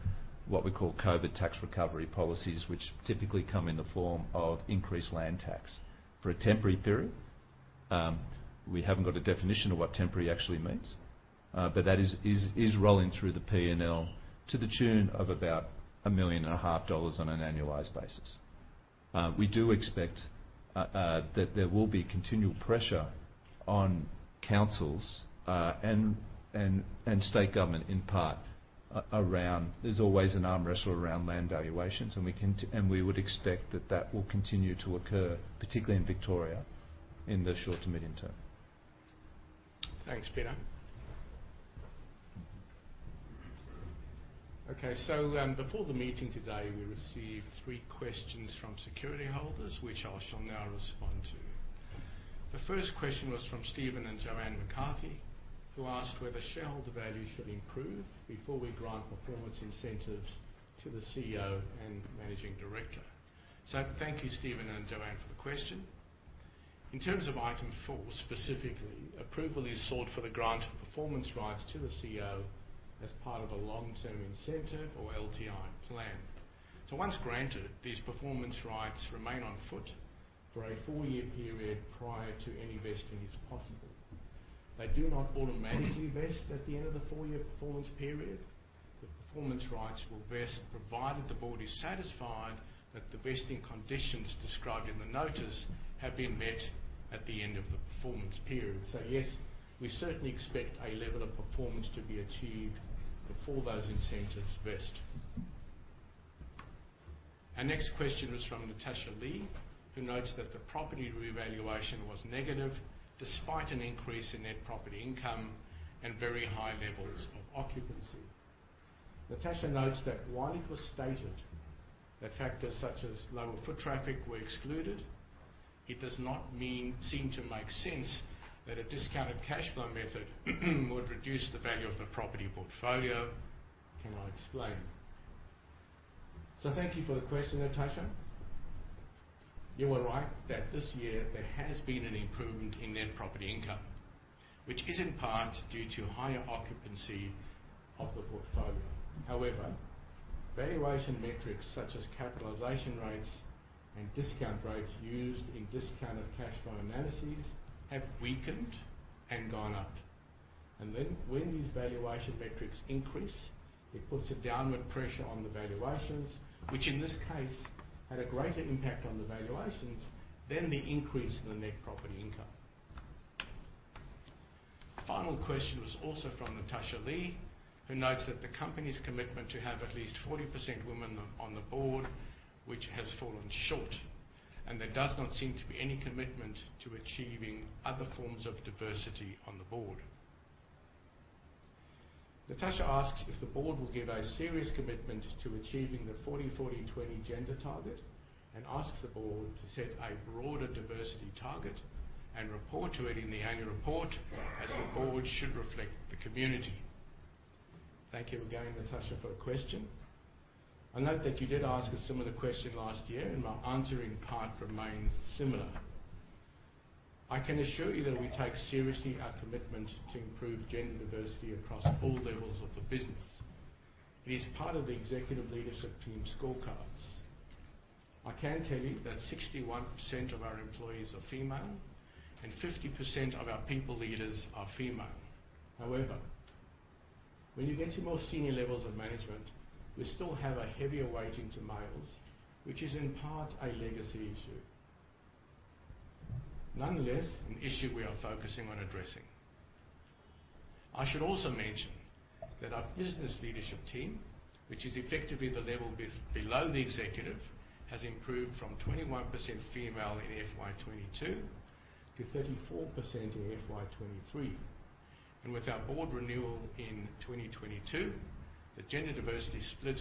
what we call COVID-related land tax measures, which typically come in the form of increased land tax for a temporary period. We haven't got a definition of what temporary actually means, but that is rolling through the PNL to the tune of about A$1.5 million on an annualized basis. We do expect that there will be continual pressure on councils and state government, in part, around... There's always an arm wrestle around land valuations, and we would expect that that will continue to occur, particularly in Victoria, in the short to mid-term. Thanks, Peter. Okay, so, before the meeting today, we received three questions from security holders, which I shall now respond to. The first question was from Stephen and Joanne McCarthy, who asked whether shareholder value should improve before we grant performance incentives to the CEO and Managing Director. So thank you, Stephen and Joanne, for the question. In terms of item four, specifically, approval is sought for the grant of performance rights to the CEO as part of a long-term incentive or LTI plan. So once granted, these performance rights remain on foot for a four-year period prior to any vesting is possible. They do not automatically vest at the end of the four-year performance period. The performance rights will vest, provided the board is satisfied that the vesting conditions described in the notice have been met at the end of the performance period. So yes, we certainly expect a level of performance to be achieved before those incentives vest. Our next question was from Natasha Lee, who notes that the property revaluation was negative despite an increase in net property income and very high levels of occupancy. Natasha notes that while it was stated that factors such as lower foot traffic were excluded, it does not seem to make sense that a discounted cash flow method would reduce the value of the property portfolio. Can I explain? So thank you for the question, Natasha. You are right that this year there has been an improvement in net property income, which is in part due to higher occupancy of the portfolio. However, valuation metrics such as capitalization rates and discount rates used in discounted cash flow analyses have weakened and gone up. And then when these valuation metrics increase, it puts a downward pressure on the valuations, which in this case had a greater impact on the valuations than the increase in the net property income. Final question was also from Natasha Lee, who notes that the company's commitment to have at least 40% women on the board, which has fallen short, and there does not seem to be any commitment to achieving other forms of diversity on the board. Natasha asks if the board will give a serious commitment to achieving the 40/40/20 gender target, and asks the board to set a broader diversity target and report to it in the annual report, as the board should reflect the community. Thank you again, Natasha, for the question. I note that you did ask a similar question last year, and my answer, in part, remains similar. I can assure you that we take seriously our commitment to improve gender diversity across all levels of the business. It is part of the executive leadership team scorecards. I can tell you that 61% of our employees are female and 50% of our people leaders are female. However... When you get to more senior levels of management, we still have a heavier weighting to males, which is in part a legacy issue. Nonetheless, an issue we are focusing on addressing. I should also mention that our business leadership team, which is effectively the level below the executive, has improved from 21% female in FY 2022 to 34% in FY 2023. And with our board renewal in 2022, the gender diversity split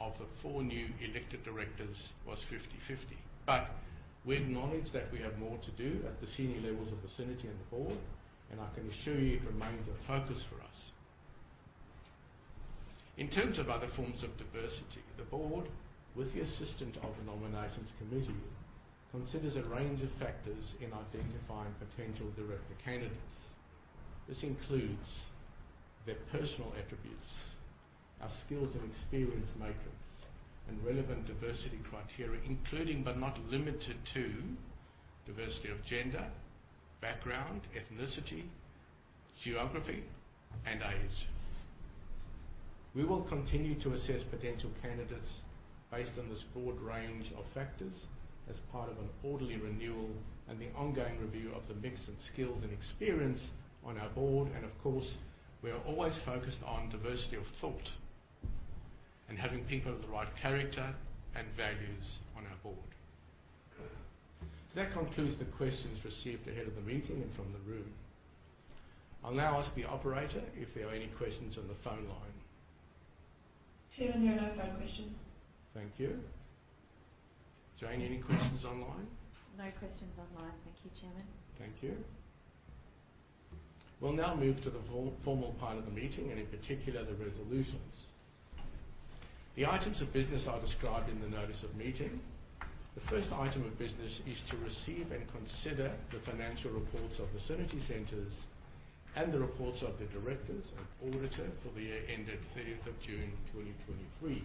of the four new elected directors was 50/50. We acknowledge that we have more to do at the senior levels of Vicinity and the board, and I can assure you it remains a focus for us. In terms of other forms of diversity, the board, with the assistance of the Nominations Committee, considers a range of factors in identifying potential director candidates. This includes their personal attributes, our skills and experience matrix, and relevant diversity criteria, including but not limited to diversity of gender, background, ethnicity, geography, and age. We will continue to assess potential candidates based on this broad range of factors as part of an orderly renewal and the ongoing review of the mix of skills and experience on our board. Of course, we are always focused on diversity of thought and having people of the right character and values on our board. That concludes the questions received ahead of the meeting and from the room. I'll now ask the operator if there are any questions on the phone line. Chairman, there are no phone questions. Thank you. Jane, any questions online? No questions online. Thank you, Chairman. Thank you. We'll now move to the formal part of the meeting and, in particular, the resolutions. The items of business are described in the notice of meeting. The first item of business is to receive and consider the financial reports of Vicinity Centres and the reports of the directors and auditor for the year ended 30 June 2023,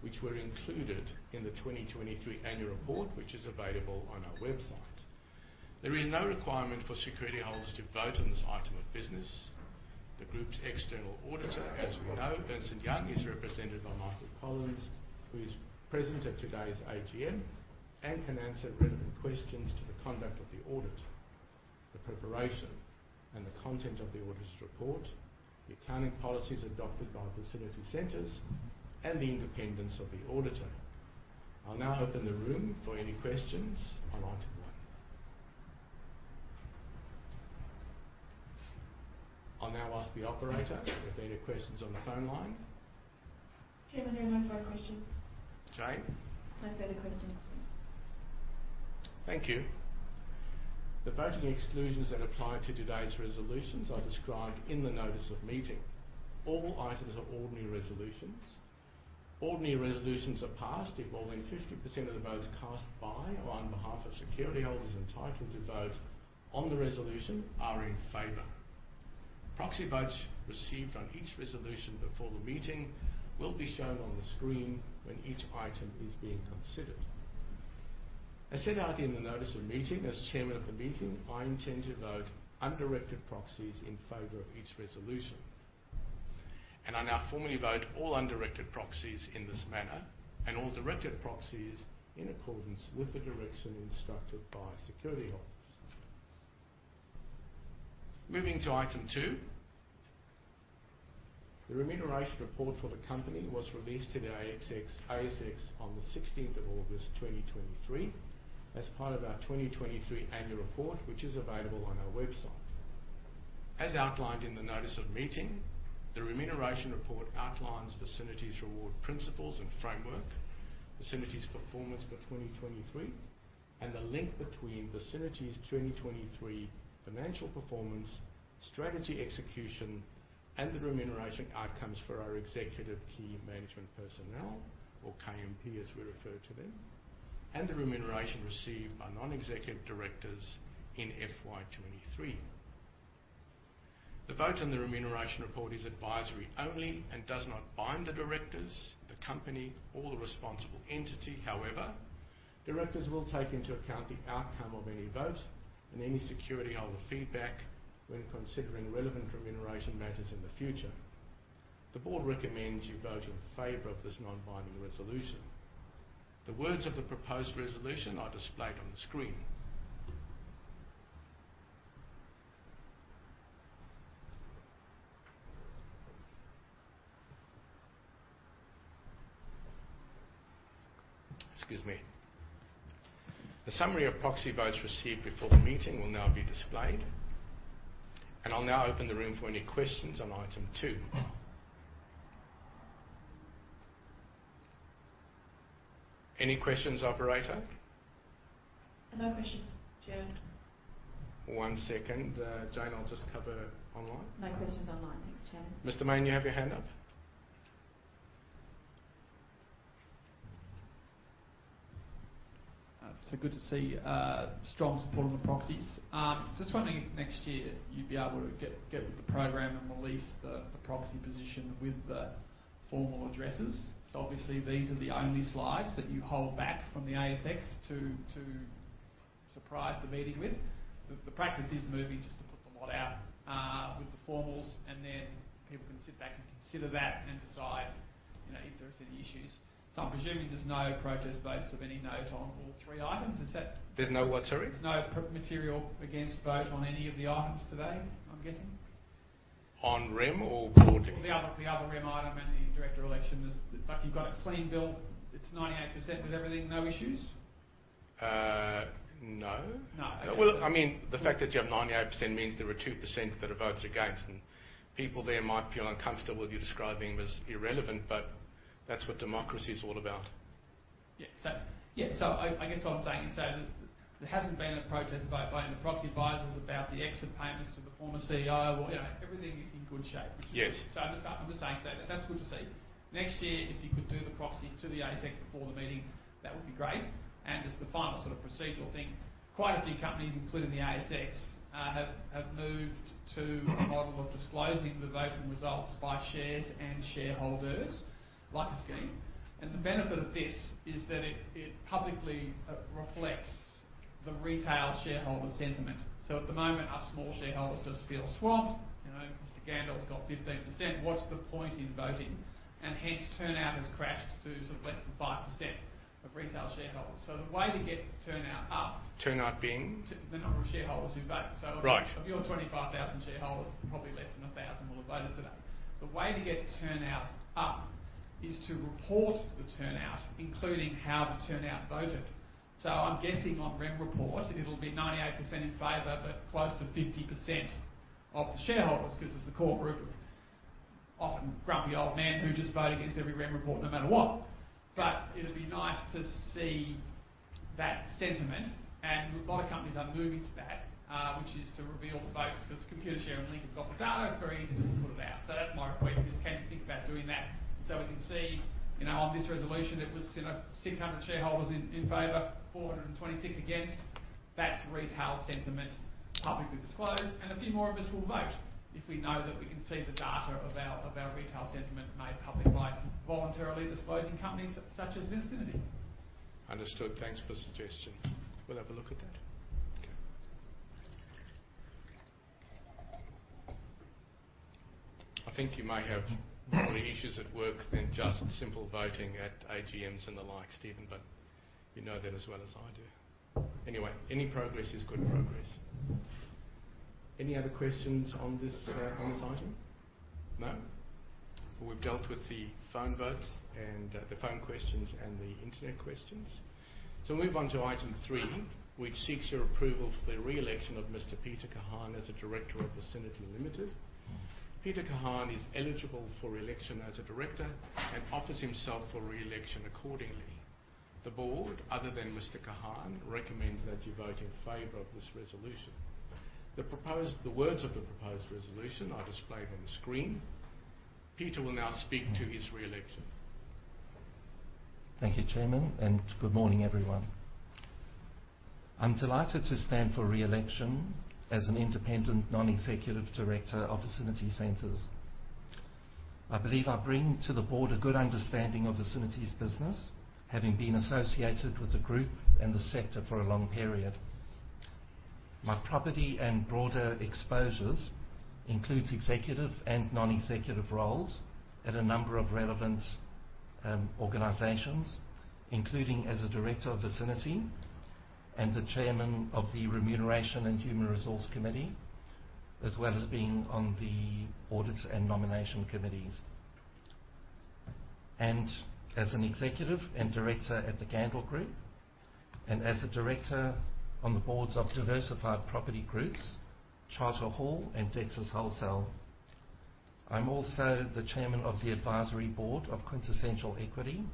which were included in the 2023 annual report, which is available on our website. There is no requirement for security holders to vote on this item of business. The group's external auditor, as we know, Ernst & Young, is represented by Michael Collins, who is present at today's AGM and can answer relevant questions to the conduct of the audit, the preparation and the content of the auditor's report, the accounting policies adopted by Vicinity Centres, and the independence of the auditor. I'll now open the room for any questions on item one. I'll now ask the operator if there are any questions on the phone line. Chairman, there are no further questions. Jane? No further questions. Thank you. The voting exclusions that apply to today's resolutions are described in the notice of meeting. All items are ordinary resolutions. Ordinary resolutions are passed if more than 50% of the votes cast by or on behalf of security holders entitled to vote on the resolution are in favor. Proxy votes received on each resolution before the meeting will be shown on the screen when each item is being considered. As set out in the notice of meeting, as chairman of the meeting, I intend to vote undirected proxies in favor of each resolution, and I now formally vote all undirected proxies in this manner and all directed proxies in accordance with the direction instructed by security holders. Moving to item 2, the remuneration report for the company was released to the ASX, ASX on the 16 August 2023, as part of our 2023 annual report, which is available on our website. As outlined in the notice of meeting, the remuneration report outlines Vicinity's reward, principles, and framework, Vicinity's performance for 2023, and the link between Vicinity's 2023 financial performance, strategy execution, and the remuneration outcomes for our executive key management personnel, or KMP, as we refer to them, and the remuneration received by non-executive directors in FY 2023. The vote on the remuneration report is advisory only and does not bind the directors, the company, or the responsible entity. However, directors will take into account the outcome of any vote and any security holder feedback when considering relevant remuneration matters in the future. The board recommends you vote in favor of this non-binding resolution. The words of the proposed resolution are displayed on the screen. Excuse me. The summary of proxy votes received before the meeting will now be displayed, and I'll now open the room for any questions on item two. Any questions, operator? No questions, Chairman. One second, Jane, I'll just cover online. No questions online. Thanks, Chairman. Mr. Mayne, you have your hand up? So good to see strong support on the proxies. Just wondering if next year you'd be able to get with the program and release the proxy position with the formal addresses? So obviously these are the only slides that you hold back from the ASX to surprise the meeting with. The practice is moving, just to put the lot out with the formals, and then people can sit back and consider that and decide, you know, if there are any issues. So I'm presuming there's no protest votes of any note on all three items. Is that- There's no what, sorry? There's no proxy material against vote on any of the items today, I'm guessing? On Rem or board? The other Rem item and the director election. There's. Like, you've got a clean bill. It's 98% with everything, no issues? Uh, no. No. Well, I mean, the fact that you have 98% means there are 2% that have voted against, and people there might feel uncomfortable with you describing them as irrelevant, but that's what democracy is all about. Yeah. So, I guess what I'm saying is, there hasn't been a protest about voting the proxy advisors, about the exit payments to the former CEO, or, you know, everything is in good shape. Yes. So I'm just saying, so that's good to see. Next year, if you could do the proxies to the ASX before the meeting, that would be great. And just the final sort of procedural thing, quite a few companies, including the ASX, have moved to a model of disclosing the voting results by shares and shareholders, like Scentre. And the benefit of this is that it publicly reflects the retail shareholder sentiment. So at the moment, our small shareholders just feel swamped. You know, Mr. Gandel's got 15%. What's the point in voting? And hence, turnout has crashed to sort of less than 5% of retail shareholders. So the way to get turnout up- Turnout being? To the number of shareholders who vote. Right. So of your 25,000 shareholders, probably less than 1,000 will have voted today. The way to get turnout up is to report the turnout, including how the turnout voted. So I'm guessing on REM report, it'll be 98% in favor, but close to 50% of the shareholders, because it's a core group of often grumpy old men who just vote against every REM report no matter what. But it'll be nice to see that sentiment, and a lot of companies are moving to that, which is to reveal the votes, because Computershare and Link have got the data. It's very easy just to put it out. So that's my request, is can you think about doing that, so we can see, you know, on this resolution, it was, you know, 600 shareholders in favor, 426 against. That's retail sentiment publicly disclosed, and a few more of us will vote if we know that we can see the data of our retail sentiment made public by voluntarily disclosing companies such as Scentre. Understood. Thanks for the suggestion. We'll have a look at that. Okay. I think you may have more issues at work than just simple voting at AGMs and the like, Stephen, but you know that as well as I do. Anyway, any progress is good progress. Any other questions on this item? No. We've dealt with the phone votes and the phone questions and the internet questions. So move on to item 3, which seeks your approval for the re-election of Mr Peter Kahan as a director of Vicinity Limited. Peter Kahan is eligible for election as a director and offers himself for re-election accordingly. The board, other than Mr Kahan, recommends that you vote in favor of this resolution. The words of the proposed resolution are displayed on the screen. Peter will now speak to his re-election. Thank you, Chairman, and good morning, everyone. I'm delighted to stand for re-election as an independent non-executive director of Vicinity Centres. I believe I bring to the board a good understanding of Vicinity's business, having been associated with the group and the sector for a long period. My property and broader exposures includes executive and non-executive roles at a number of relevant organizations, including as a director of Vicinity and the chairman of the Remuneration and Human Resource Committee, as well as being on the Audit and Nomination Committees. As an executive and director at the Gandel Group, and as a director on the boards of diversified property groups, Charter Hall, and Dexus Wholesale. I'm also the chairman of the advisory board of Quintessential Equity.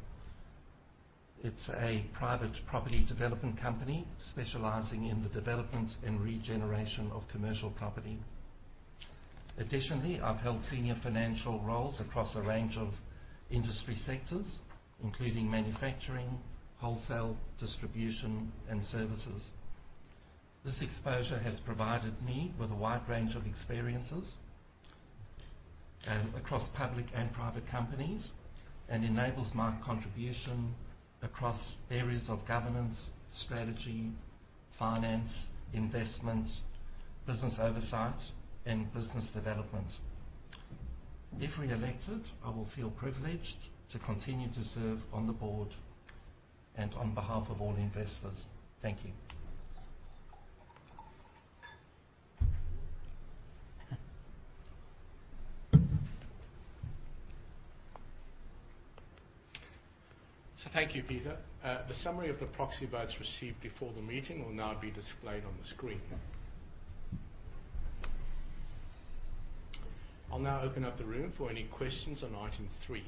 It's a private property development company specializing in the development and regeneration of commercial property. Additionally, I've held senior financial roles across a range of industry sectors, including manufacturing, wholesale, distribution, and services. This exposure has provided me with a wide range of experiences, across public and private companies, and enables my contribution across areas of governance, strategy, finance, investment, business oversight, and business development. If re-elected, I will feel privileged to continue to serve on the board and on behalf of all investors. Thank you. So thank you, Peter. The summary of the proxy votes received before the meeting will now be displayed on the screen. I'll now open up the room for any questions on item three.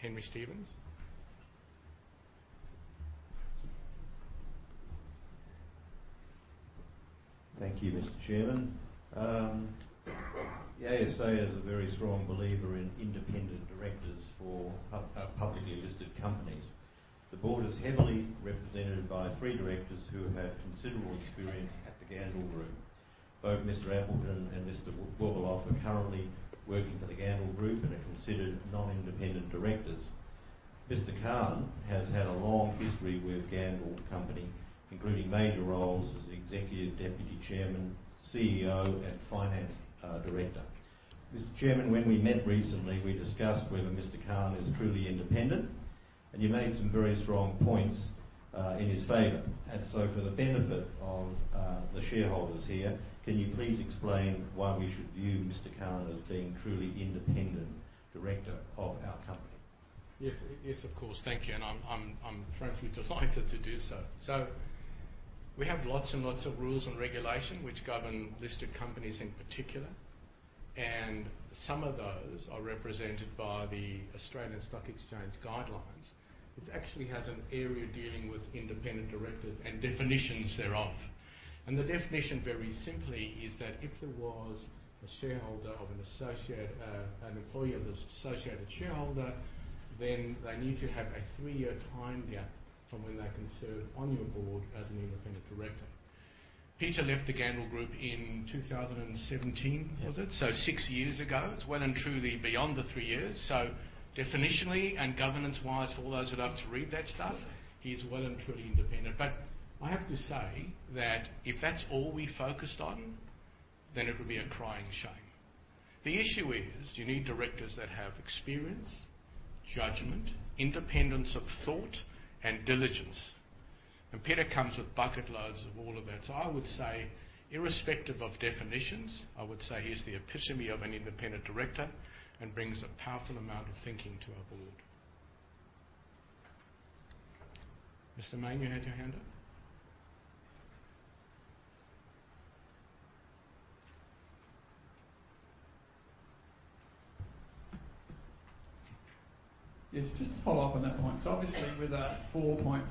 Henry Stephens? Thank you, Mr. Chairman. The ASA is a very strong believer in independent directors for publicly listed companies. The board is heavily represented by three directors who have had considerable experience at the Gandel Group. Both Mr. Appleton and Mr. Werbeloff are currently working for the Gandel Group and are considered non-independent directors. Mr. Kahan has had a long history with Gandel Company, including major roles as Executive Deputy Chairman, CEO, and Finance Director. Mr. Chairman, when we met recently, we discussed whether Mr. Kahan is truly independent, and you made some very strong points in his favor. So for the benefit of the shareholders here, can you please explain why we should view Mr. Kahan as being truly independent director of our company? Yes. Thank you, and I'm frankly delighted to do so. So we have lots and lots of rules and regulations which govern listed companies in particular, and some of those are represented by the Australian Securities Exchange guidelines, which actually has an area dealing with independent directors and definitions thereof. And the definition, very simply, is that if there was a shareholder of an associate, an employee of an associated shareholder, then they need to have a three-year time gap from when they can serve on your board as an independent director. Peter left the Gandel Group in 2017, was it? Yes. So 6 years ago. It's well and truly beyond the 3 years, so definitionally and governance-wise, for all those who love to read that stuff, he's well and truly independent. But I have to say that if that's all we focused on, then it would be a crying shame. The issue is, you need directors that have experience, judgment, independence of thought, and diligence, and Peter comes with extensive experience of all of that. So I would say, irrespective of definitions, I would say he's the epitome of an independent director and brings a powerful amount of thinking to our board. Mr. Mayne, you had your hand up? Yes, just to follow up on that point. So obviously, with a 4.5%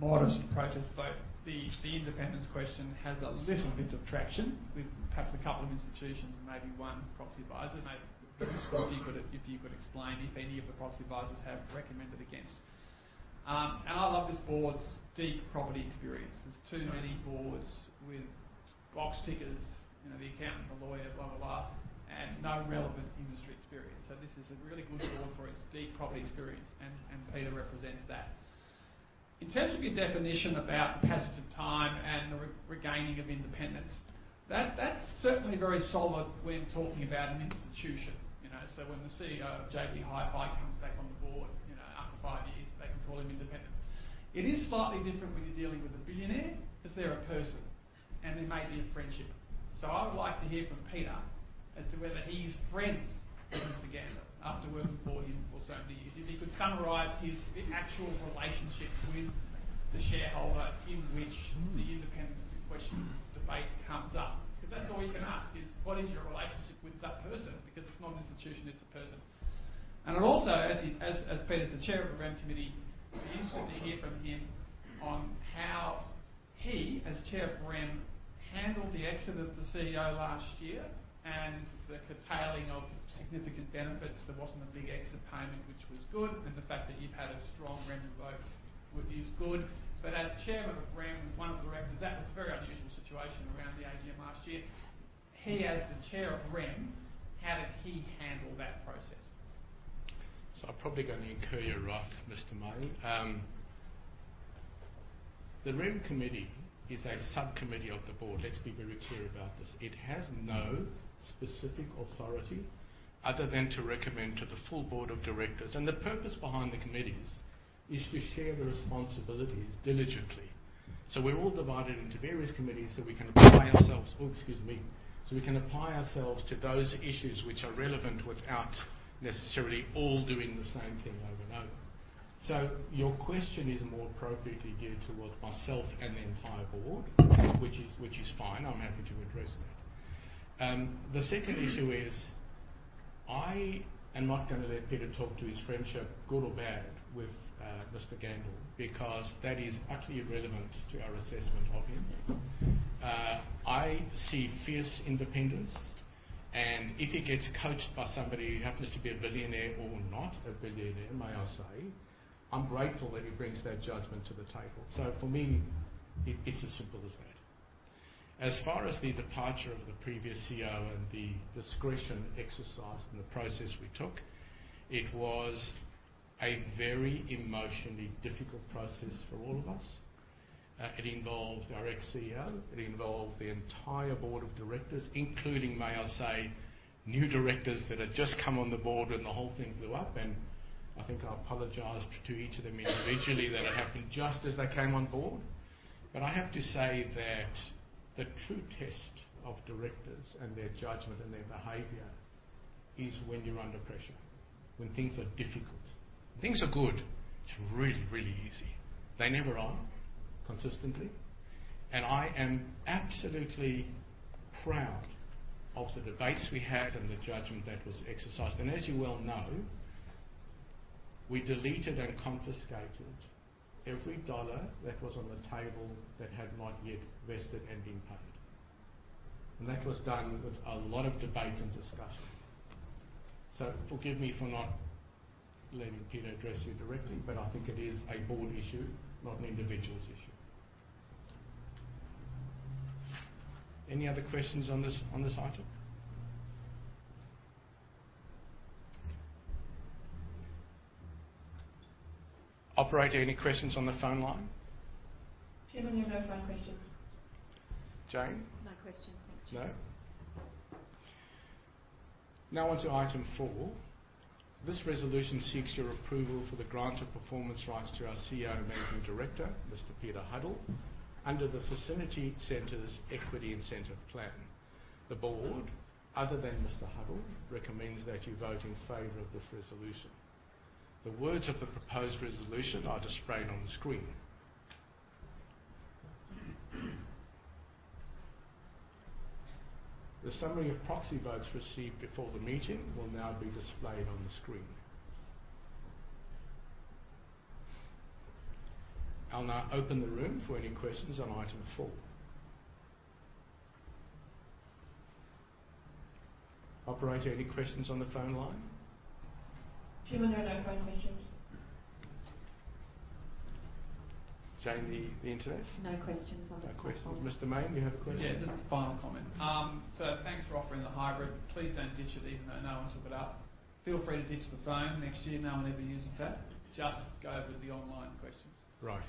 modest protest vote, the independence question has a little bit of traction with perhaps a couple of institutions and maybe one proxy advisor. Maybe if you could explain if any of the proxy advisors have recommended against. And I love this board's deep property experience. There's too many boards with box tickers, you know, the accountant, the lawyer, blah, blah, blah, and no relevant industry experience. So this is a really good board for its deep property experience, and Peter represents that. In terms of your definition about the passage of time and the re-regaining of independence, that's certainly very solid when talking about an institution, you know? So when the CEO of JB Hi-Fi comes back on the board, you know, after five years, they can call him independent. It is slightly different when you're dealing with a billionaire, because they're a person, and there may be a friendship. So I would like to hear from Peter as to whether he is friends with Mr. Gandel after working for him for so many years. If he could summarize his actual relationship with the shareholder, in which the independence question debate comes up. Because that's all you can ask, is: What is your relationship with that person? Because it's not an institution, it's a person. And also, as Peter's the chair of the REM committee, it'd be interesting to hear from him on how he, as chair of REM, handled the exit of the CEO last year and the curtailing of significant benefits. There wasn't a big exit payment, which was good, and the fact that you've had a strong REM vote is good. But as Chairman of REM, one of the directors, that was a very unusual situation around the AGM last year. He, as the Chair of REM, how did he handle that process? So I'm probably going to incur your wrath, Mr. May. The REM committee is a subcommittee of the board. Let's be very clear about this. It has no specific authority other than to recommend to the full board of directors, and the purpose behind the committees is to share the responsibilities diligently. So we're all divided into various committees, so we can apply ourselves. Oh, excuse me. So we can apply ourselves to those issues which are relevant without necessarily all doing the same thing over and over. So your question is more appropriately geared towards myself and the entire board, which is, which is fine, I'm happy to address that. The second issue is, I am not gonna let Peter talk to his friendship, good or bad, with Mr. Gandel, because that is utterly irrelevant to our assessment of him. I see fierce independence, and if he gets coached by somebody who happens to be a billionaire or not a billionaire, may I say, I'm grateful that he brings that judgment to the table. So for me, it, it's as simple as that. As far as the departure of the previous CEO and the discretion exercised and the process we took, it was a very emotionally difficult process for all of us. It involved our ex-CEO, it involved the entire board of directors, including, may I say, new directors that had just come on the board when the whole thing blew up, and I think I apologized to each of them individually that it happened just as they came on board. But I have to say that the true test of directors and their judgment and their behavior is when you're under pressure, when things are difficult. When things are good, it's really, really easy. They never are, consistently, and I am absolutely proud of the debates we had and the judgment that was exercised. And as you well know, we deleted and cancelled all unvested entitlements that was on the table that had not yet vested and been paid, and that was done with a lot of debate and discussion.... So forgive me for not letting Peter address you directly, but I think it is a board issue, not an individual's issue. Any other questions on this, on this item? Operator, any questions on the phone line? Chairman, we have no phone questions. Jane? No questions, thanks. No? Now on to item four. This resolution seeks your approval for the grant of performance rights to our CEO and Managing Director, Mr. Peter Huddle, under the Vicinity Centres' Equity Incentive Plan. The board, other than Mr. Huddle, recommends that you vote in favor of this resolution. The words of the proposed resolution are displayed on the screen. The summary of proxy votes received before the meeting will now be displayed on the screen. I'll now open the room for any questions on item four. Operator, any questions on the phone line? Chairman, there are no phone questions. Jane, the internet? No questions on the- No questions. Mr. Mayne, you have a question? Yeah, just a final comment. So thanks for offering the hybrid. Please don't ditch it, even though no one took it up. Feel free to ditch the phone next year. No one ever uses that. Just go with the online questions. Right.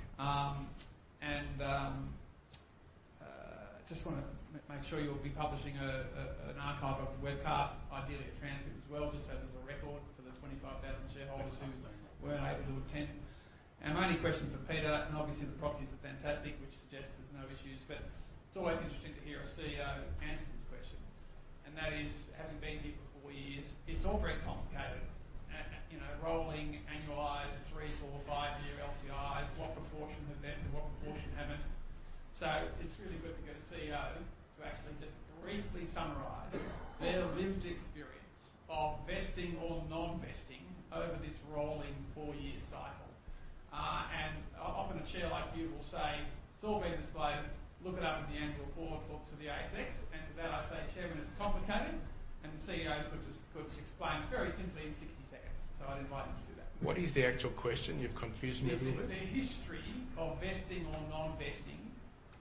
Just wanna make sure you'll be publishing an archive of the webcast, ideally a transcript as well, just so there's a record for the 25,000 shareholders who- Absolutely. Weren't able to attend. And my only question for Peter, and obviously the proxies are fantastic, which suggests there's no issues, but it's always interesting to hear a CEO answer this question, and that is, having been here for four years, it's all very complicated. You know, rolling, annualized, three, four, five-year LTIs, what proportion have vested, what proportion haven't? So it's really good to get a CEO to actually just briefly summarize their lived experience of vesting or non-vesting over this rolling four-year cycle. And often, a chair like you will say, "It's all been disclosed. Look it up in the annual board report to the ASX." And to that, I say, "Chairman, it's complicated, and the CEO could just explain it very simply in 60 seconds." So I'd invite him to do that. What is the actual question? You've confused me a little bit. The history of vesting or non-vesting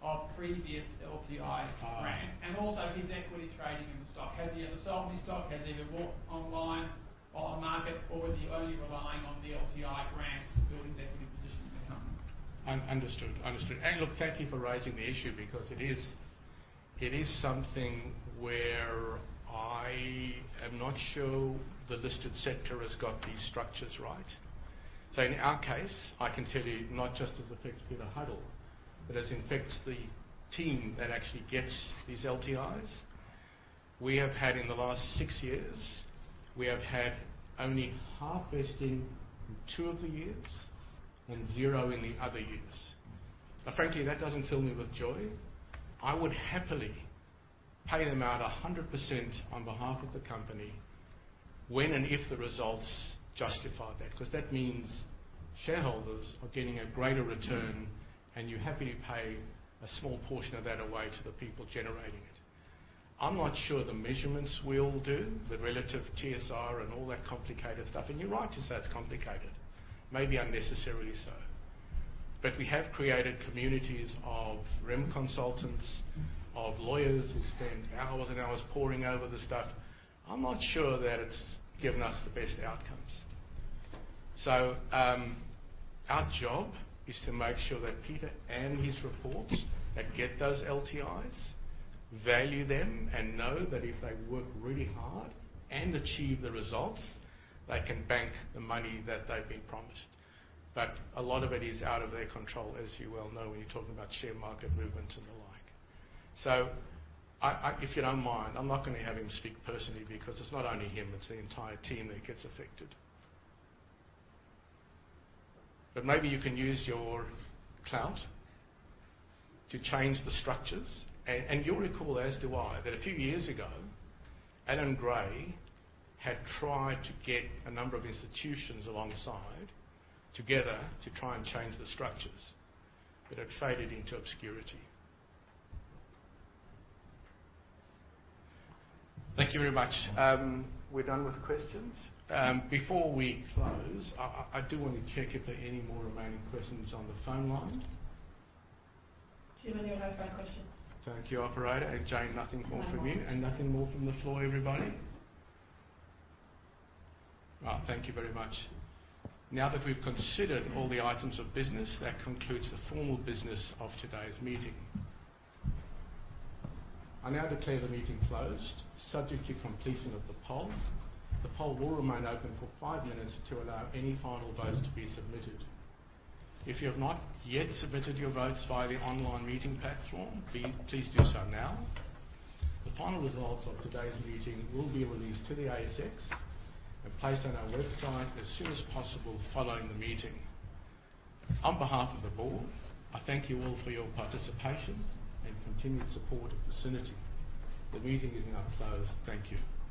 of previous LTI grants- Ah. And also his equity trading in the stock. Has he ever sold any stock? Has he ever bought online, on the market, or is he only relying on the LTI grants to build his equity position in the company? Understood. And look, thank you for raising the issue, because it is something where I am not sure the listed sector has got these structures right. So in our case, I can tell you, not just as it affects Peter Huddle, but as it affects the team that actually gets these LTIs, we have had in the last six years, we have had only half vesting in two of the years and zero in the other years. Now, frankly, that doesn't fill me with joy. I would happily pay them out 100% on behalf of the company when and if the results justify that, 'cause that means shareholders are getting a greater return, and you're happy to pay a small portion of that away to the people generating it. I'm not sure the measurements we all do, the relative TSR and all that complicated stuff, and you're right to say it's complicated, maybe unnecessarily so. But we have created communities of REM consultants, of lawyers who spend hours and hours poring over the stuff. I'm not sure that it's given us the best outcomes. So, our job is to make sure that Peter and his reports that get those LTIs value them and know that if they work really hard and achieve the results, they can bank the money that they've been promised. But a lot of it is out of their control, as you well know, when you're talking about share market movements and the like. So I, if you don't mind, I'm not going to have him speak personally, because it's not only him, it's the entire team that gets affected. But maybe you can use your clout to change the structures. And you'll recall, as do I, that a few years ago, Allan Gray had tried to get a number of institutions alongside, together, to try and change the structures, but it faded into obscurity. Thank you very much. We're done with the questions. Before we close, I do want to check if there are any more remaining questions on the phone line. Chairman, there are no phone questions. Thank you, Operator. Jane, nothing more from you? No more. Nothing more from the floor, everybody? Right. Thank you very much. Now that we've considered all the items of business, that concludes the formal business of today's meeting. I now declare the meeting closed, subject to completion of the poll. The poll will remain open for five minutes to allow any final votes to be submitted. If you have not yet submitted your votes via the online meeting platform, please do so now. The final results of today's meeting will be released to the ASX and placed on our website as soon as possible following the meeting. On behalf of the board, I thank you all for your participation and continued support of Vicinity. The meeting is now closed. Thank you.